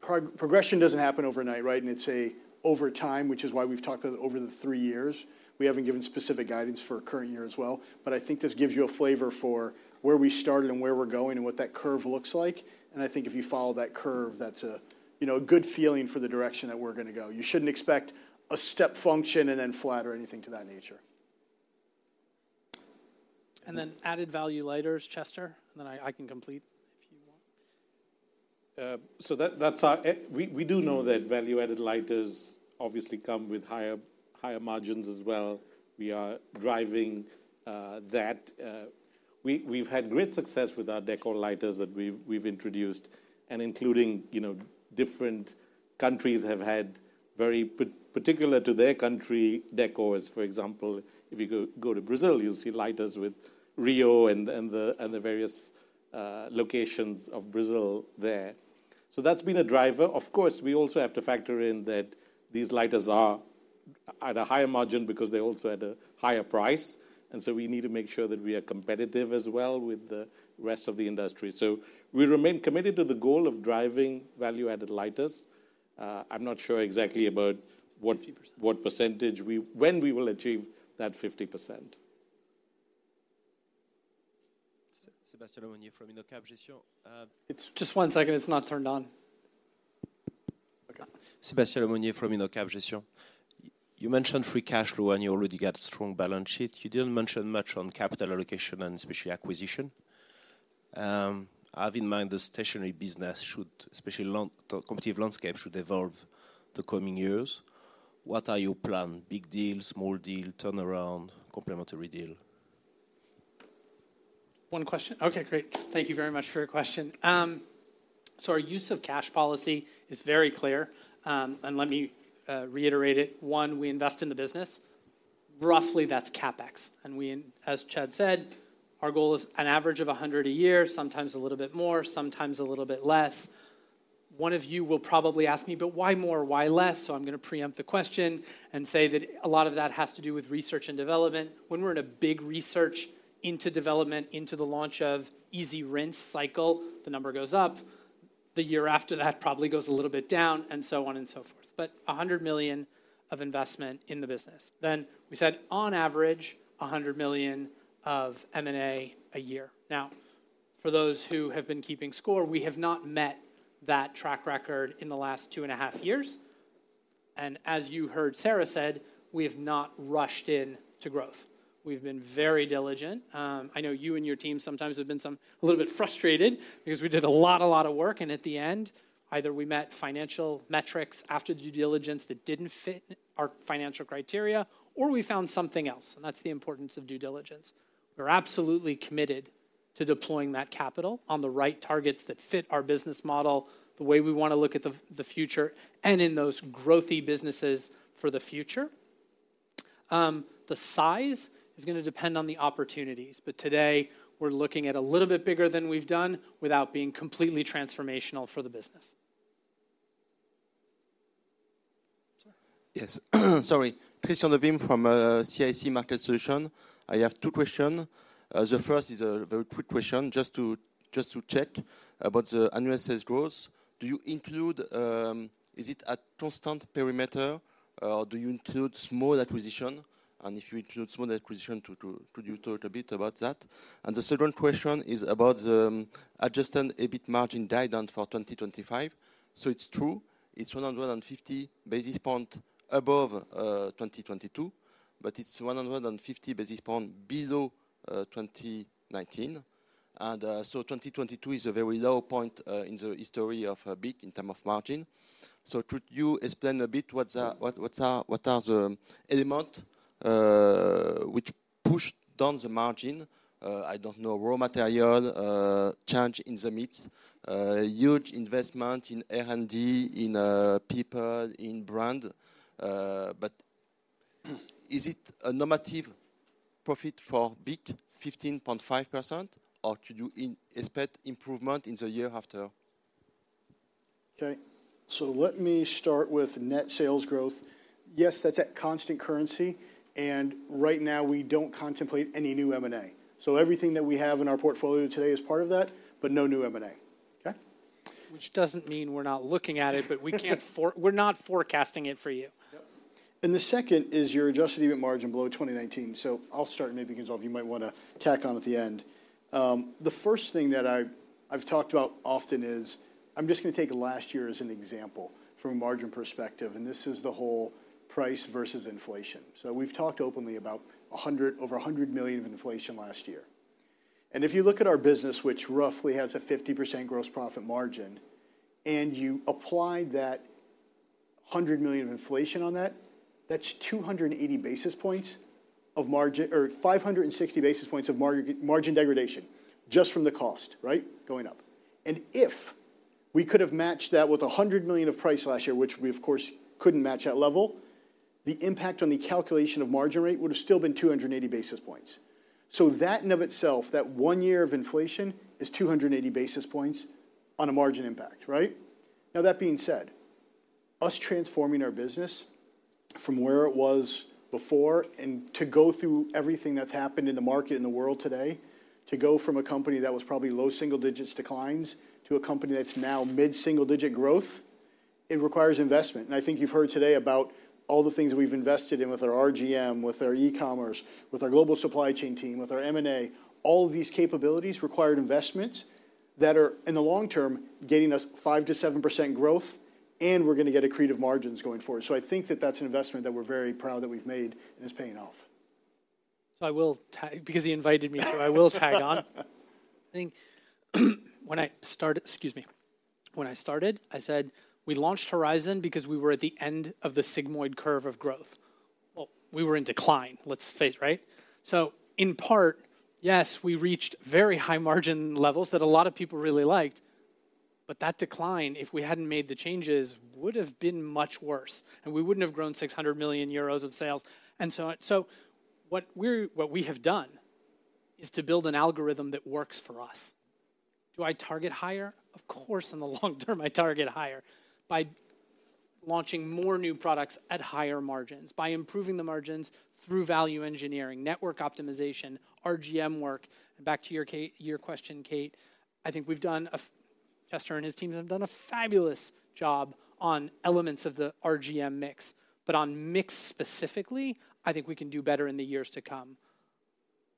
progression doesn't happen overnight, right? And it's over time, which is why we've talked about over the three years, we haven't given specific guidance for current year as well. But I think this gives you a flavor for where we started and where we're going and what that curve looks like. And I think if you follow that curve, that's a, you know, a good feeling for the direction that we're gonna go. You shouldn't expect a step function and then flat or anything to that nature. And then added value lighters, Chester, and then I can complete if you want. So that's our. We do know that value-added lighters obviously come with higher, higher margins as well. We are driving that. We've had great success with our decor lighters that we've introduced, and including, you know, different countries have had very particular to their country decors. For example, if you go to Brazil, you'll see lighters with Rio and the various locations of Brazil there. So that's been a driver. Of course, we also have to factor in that these lighters are at a higher margin because they're also at a higher price, and so we need to make sure that we are competitive as well with the rest of the industry. So we remain committed to the goal of driving value-added lighters. I'm not sure exactly about what- 50%. What percentage when we will achieve that 50%. Sébastien Lemonier from Indosuez. It's just one second, it's not turned on. Okay. Sébastien Lemonnier from Inocap Gestion. You mentioned free cash flow, and you already got strong balance sheet. You didn't mention much on capital allocation and especially acquisition. I have in mind, the stationery business should, especially in the competitive landscape, should evolve the coming years. What are your plan? Big deal, small deal, turnaround, complementary deal? One question? Okay, great. Thank you very much for your question. So our use of cash policy is very clear, and let me reiterate it. One, we invest in the business. Roughly, that's CapEx, and we, as Chad said, our goal is an average of 100 a year, sometimes a little bit more, sometimes a little bit less. One of you will probably ask me: but why more, why less? So I'm going to preempt the question and say that a lot of that has to do with research and development. When we're in a big research into development, into the launch of EasyRinse, the number goes up. The year after that probably goes a little bit down, and so on and so forth. But 100 million of investment in the business. Then we said, on average, 100 million of M&A a year. Now, for those who have been keeping score, we have not met that track record in the last two and a half years, and as you heard Sara said, we have not rushed in to growth. We've been very diligent. I know you and your team sometimes have been a little bit frustrated because we did a lot, a lot of work, and at the end, either we met financial metrics after the due diligence that didn't fit our financial criteria, or we found something else, and that's the importance of due diligence. We're absolutely committed to deploying that capital on the right targets that fit our business model, the way we want to look at the, the future, and in those growthy businesses for the future. The size is gonna depend on the opportunities, but today, we're looking at a little bit bigger than we've done without being completely transformational for the business. Sure. Yes. Sorry. Christian Devismes from, CIC Market Solutions. I have two question. The first is a very quick question, just to, just to check about the annual sales growth. Do you include, is it a constant perimeter, or do you include small acquisition? And if you include small acquisition, could you, could you talk a bit about that? And the second question is about the adjusted EBIT margin guide down for 2025. So it's true, it's 150 basis point above, 2022, but it's 150 basis point below, 2019. And, so 2022 is a very low point, in the history of, BIC in term of margin. So could you explain a bit what are, what, what are, what are the element, which pushed down the margin? I don't know, raw material change in the mix, huge investment in R&D, in people, in brand. But is it a normalized profit for BIC, 15.5%, or could you expect improvement in the year after? Okay, so let me start with net sales growth. Yes, that's at constant currency, and right now, we don't contemplate any new M&A. So everything that we have in our portfolio today is part of that, but no new M&A. Okay? Which doesn't mean we're not looking at it, but we can't. We're not forecasting it for you. Yep. And the second is your adjusted EBIT margin below 2019. So I'll start, and maybe, Gonzalve, you might wanna tack on at the end. The first thing that I've talked about often is, I'm just gonna take last year as an example from a margin perspective, and this is the whole price versus inflation. So we've talked openly about over 100 million of inflation last year. And if you look at our business, which roughly has a 50% gross profit margin, and you apply that 100 million of inflation on that, that's 280 basis points of margin, or 560 basis points of margin degradation, just from the cost, right? Going up. If we could have matched that with 100 million of price last year, which we, of course, couldn't match that level, the impact on the calculation of margin rate would've still been 280 basis points. So that in and of itself, that one year of inflation, is 280 basis points on a margin impact, right? Now, that being said, us transforming our business from where it was before and to go through everything that's happened in the market, in the world today, to go from a company that was probably low single digits declines, to a company that's now mid-single-digit growth, it requires investment. And I think you've heard today about all the things we've invested in with our RGM, with our e-commerce, with our global supply chain team, with our M&A. All of these capabilities required investments that are, in the long term, getting us 5%-7% growth, and we're gonna get accretive margins going forward. So I think that that's an investment that we're very proud that we've made, and it's paying off. So I will tag on, because he invited me, so I will tag on. I think when I started, excuse me, when I started, I said we launched Horizon because we were at the end of the sigmoid curve of growth. Well, we were in decline, let's face it, right? So in part, yes, we reached very high margin levels that a lot of people really liked, but that decline, if we hadn't made the changes, would have been much worse, and we wouldn't have grown 600 million euros of sales and so on. So what we're—what we have done is to build an algorithm that works for us. Do I target higher? Of course, in the long term, I target higher by launching more new products at higher margins, by improving the margins through value engineering, network optimization, RGM work. Back to your question, Kate, I think Chester and his teams have done a fabulous job on elements of the RGM mix. But on mix specifically, I think we can do better in the years to come.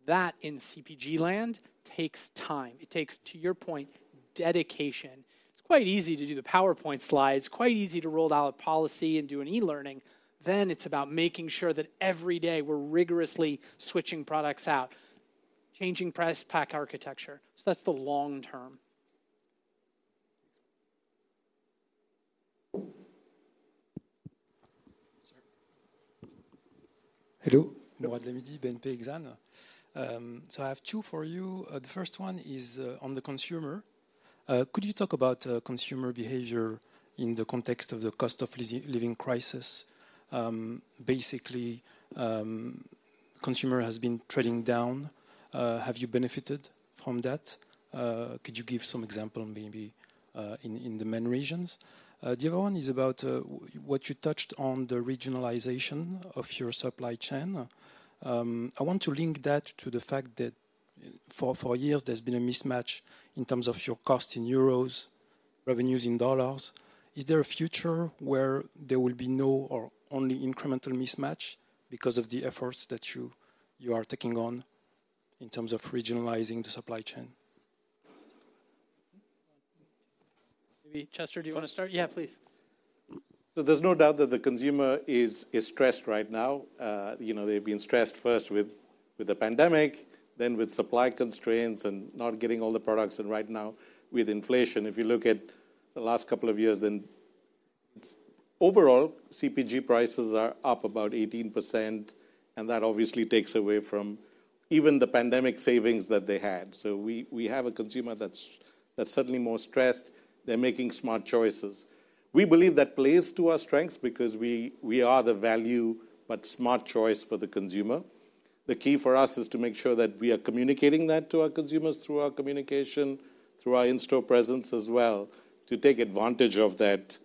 That, in CPG land, takes time. It takes, to your point, dedication. It's quite easy to do the PowerPoint slides, quite easy to roll out a policy and do an e-learning. Then it's about making sure that every day we're rigorously switching products out, changing price, pack architecture. So that's the long term. Sir. Hello, Mourad Lahmidi, BNP Exane. So I have two for you. The first one is on the consumer. Could you talk about consumer behavior in the context of the cost of living crisis? Basically, consumer has been trading down. Have you benefited from that? Could you give some example, maybe, in the main regions? The other one is about what you touched on the regionalization of your supply chain. I want to link that to the fact that for years, there's been a mismatch in terms of your cost in euros, revenues in dollars. Is there a future where there will be no or only incremental mismatch because of the efforts that you are taking on in terms of regionalizing the supply chain? Maybe, Chester, do you wanna start? Yeah, please. So there's no doubt that the consumer is stressed right now. You know, they've been stressed first with the pandemic, then with supply constraints and not getting all the products, and right now with inflation. If you look at the last couple of years, then it's. Overall, CPG prices are up about 18%, and that obviously takes away from even the pandemic savings that they had. So we have a consumer that's certainly more stressed. They're making smart choices. We believe that plays to our strengths because we are the value, but smart choice for the consumer. The key for us is to make sure that we are communicating that to our consumers through our communication, through our in-store presence as well, to take advantage of that,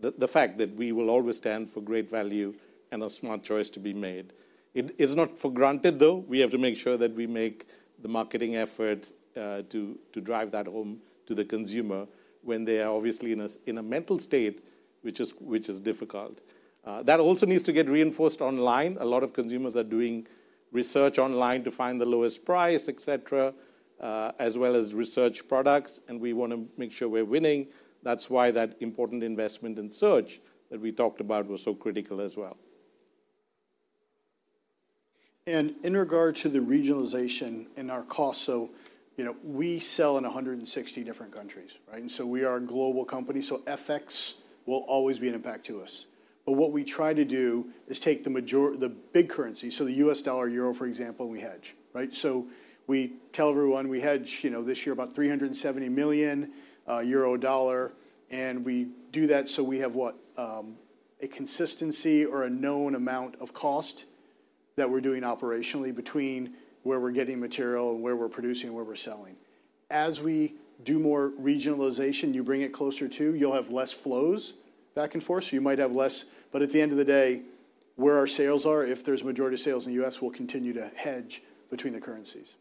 the fact that we will always stand for great value and a smart choice to be made. It is not for granted, though. We have to make sure that we make the marketing effort, to drive that home to the consumer when they are obviously in a mental state, which is difficult. That also needs to get reinforced online. A lot of consumers are doing research online to find the lowest price, et cetera, as well as research products, and we wanna make sure we're winning. That's why that important investment in search that we talked about was so critical as well. In regard to the regionalization and our cost, so, you know, we sell in 160 different countries, right? And so we are a global company, so FX will always be an impact to us. But what we try to do is take the big currency, so the U.S. dollar, euro, for example, and we hedge, right? So we tell everyone we hedge, you know, this year about 370 million euro, dollar, and we do that, so we have a consistency or a known amount of cost that we're doing operationally between where we're getting material and where we're producing and where we're selling. As we do more regionalization, you bring it closer to, you'll have less flows back and forth, so you might have less. At the end of the day, where our sales are, if there's a majority of sales in the U.S., we'll continue to hedge between the currencies.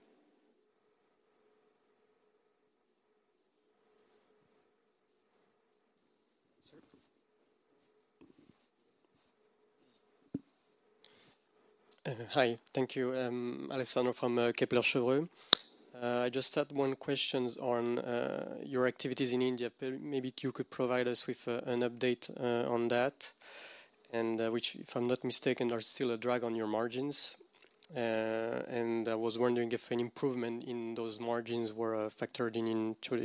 Sir. Hi. Thank you. Alessandro from Kepler Cheuvreux. I just had one question on your activities in India. Perhaps you could provide us with an update on that, and which, if I'm not mistaken, are still a drag on your margins. And I was wondering if an improvement in those margins were factored into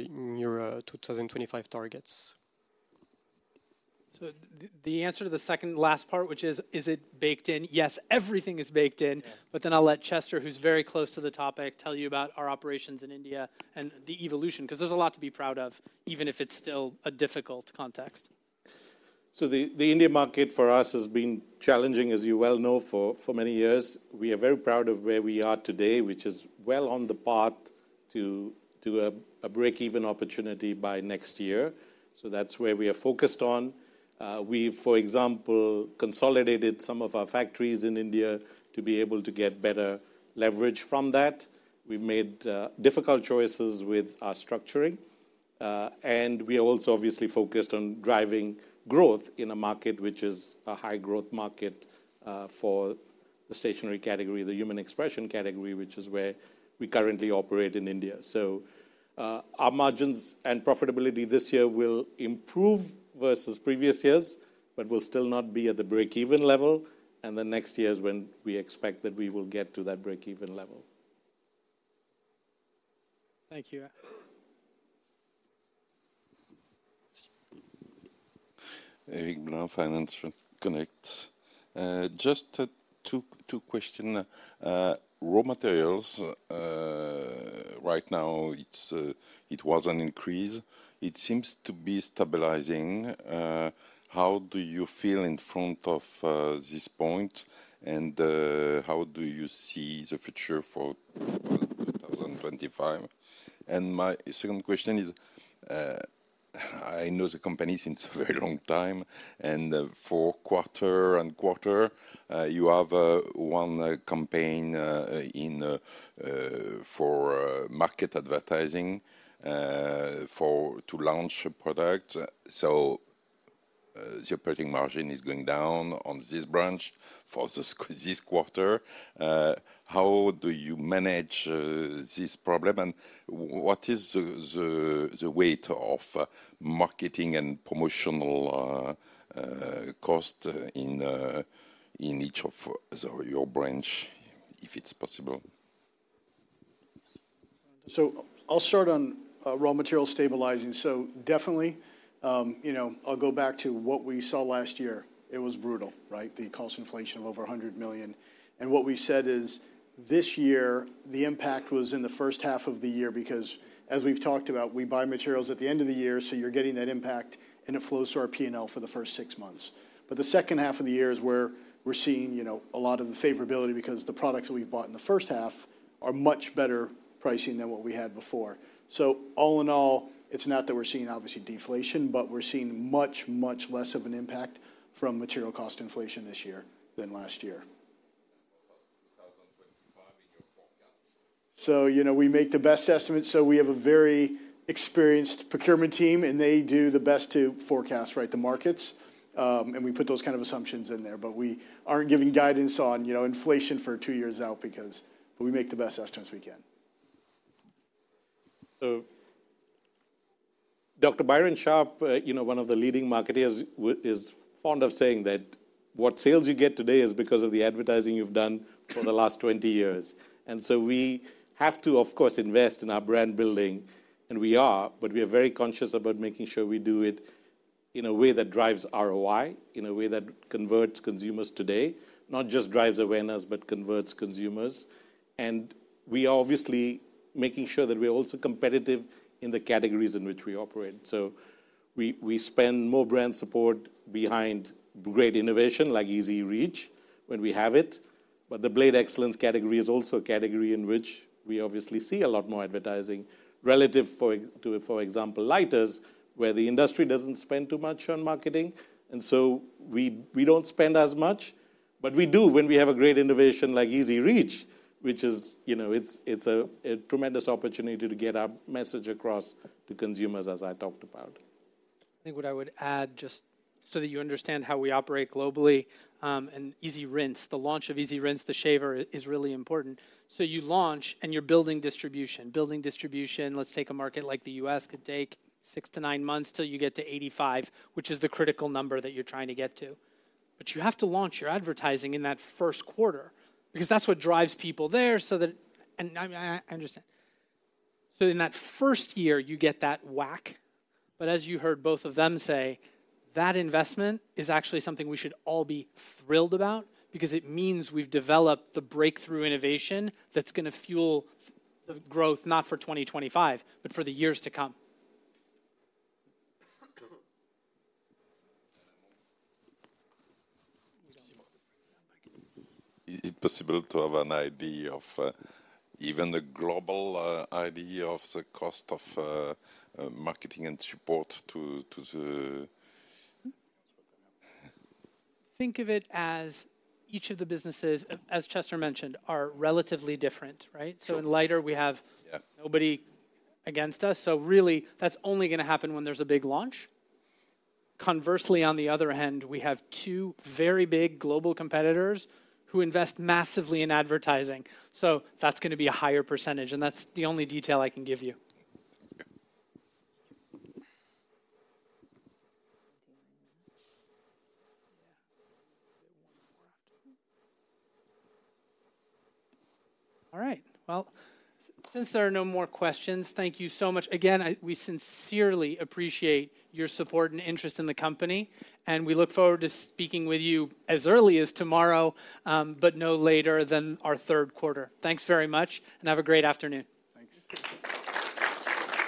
your 2025 targets. So the answer to the second last part, which is, is it baked in? Yes, everything is baked in. Yeah. But then I'll let Chester, who's very close to the topic, tell you about our operations in India and the evolution, 'cause there's a lot to be proud of, even if it's still a difficult context. So the India market for us has been challenging, as you well know, for many years. We are very proud of where we are today, which is well on the path to a breakeven opportunity by next year. So that's where we are focused on. We, for example, consolidated some of our factories in India to be able to get better leverage from that. We've made difficult choices with our structuring, and we are also obviously focused on driving growth in a market which is a high-growth market for the stationery category, the Human Expression category, which is where we currently operate in India. So our margins and profitability this year will improve versus previous years, but will still not be at the breakeven level, and then next year is when we expect that we will get to that breakeven level. Thank you. Eric Blain, Finance Connect. Just two questions. Raw materials right now, it was an increase. It seems to be stabilizing. How do you feel in front of this point, and how do you see the future for 2025? And my second question is, I know the company since a very long time, and for quarter and quarter, you have one campaign in for market advertising for to launch a product. So, the operating margin is going down on this branch for this quarter. How do you manage this problem, and what is the weight of marketing and promotional cost in each of your branches, if it's possible? So I'll start on raw material stabilizing. So definitely, you know, I'll go back to what we saw last year. It was brutal, right? The cost inflation of over 100 million. And what we said is, this year, the impact was in the first half of the year, because as we've talked about, we buy materials at the end of the year, so you're getting that impact, and it flows to our P&L for the first six months. But the second half of the year is where we're seeing, you know, a lot of the favorability because the products that we've bought in the first half are much better pricing than what we had before. So all in all, it's not that we're seeing, obviously, deflation, but we're seeing much, much less of an impact from material cost inflation this year than last year. 2025 in your forecast. You know, we make the best estimates, so we have a very experienced procurement team, and they do the best to forecast, right, the markets. We put those kind of assumptions in there, but we aren't giving guidance on, you know, inflation for two years out because we make the best estimates we can. So Dr. Byron Sharp, you know, one of the leading marketers is fond of saying that what sales you get today is because of the advertising you've done for the last 20 years. And so we have to, of course, invest in our brand building, and we are, but we are very conscious about making sure we do it in a way that drives ROI, in a way that converts consumers today, not just drives awareness, but converts consumers. And we are obviously making sure that we are also competitive in the categories in which we operate. So we spend more brand support behind great innovation, like EZ Reach, when we have it. But the Blade Excellence category is also a category in which we obviously see a lot more advertising relative for example to lighters, where the industry doesn't spend too much on marketing, and so we don't spend as much. But we do when we have a great innovation like EZ Reach, which is, you know, a tremendous opportunity to get our message across to consumers, as I talked about. I think what I would add, just so that you understand how we operate globally, and EasyRinse, the launch of EasyRinse, the shaver is really important. So you launch, and you're building distribution. Building distribution, let's take a market like the U.S., could take six to nine months till you get to 85, which is the critical number that you're trying to get to. But you have to launch your advertising in that first quarter, because that's what drives people there, so that. And I understand. So in that first year, you get that whack, but as you heard both of them say, that investment is actually something we should all be thrilled about because it means we've developed the breakthrough innovation that's gonna fuel the growth, not for 2025, but for the years to come. Is it possible to have an idea of, even a global, idea of the cost of, marketing and support to, to the- Think of it as each of the businesses, as Chester mentioned, are relatively different, right? Sure. So in lighter, we have- Yeah nobody against us. So really, that's only gonna happen when there's a big launch. Conversely, on the other hand, we have two very big global competitors who invest massively in advertising, so that's gonna be a higher percentage, and that's the only detail I can give you. All right. Well, since there are no more questions, thank you so much. Again, we sincerely appreciate your support and interest in the company, and we look forward to speaking with you as early as tomorrow, but no later than our third quarter. Thanks very much, and have a great afternoon. Thanks.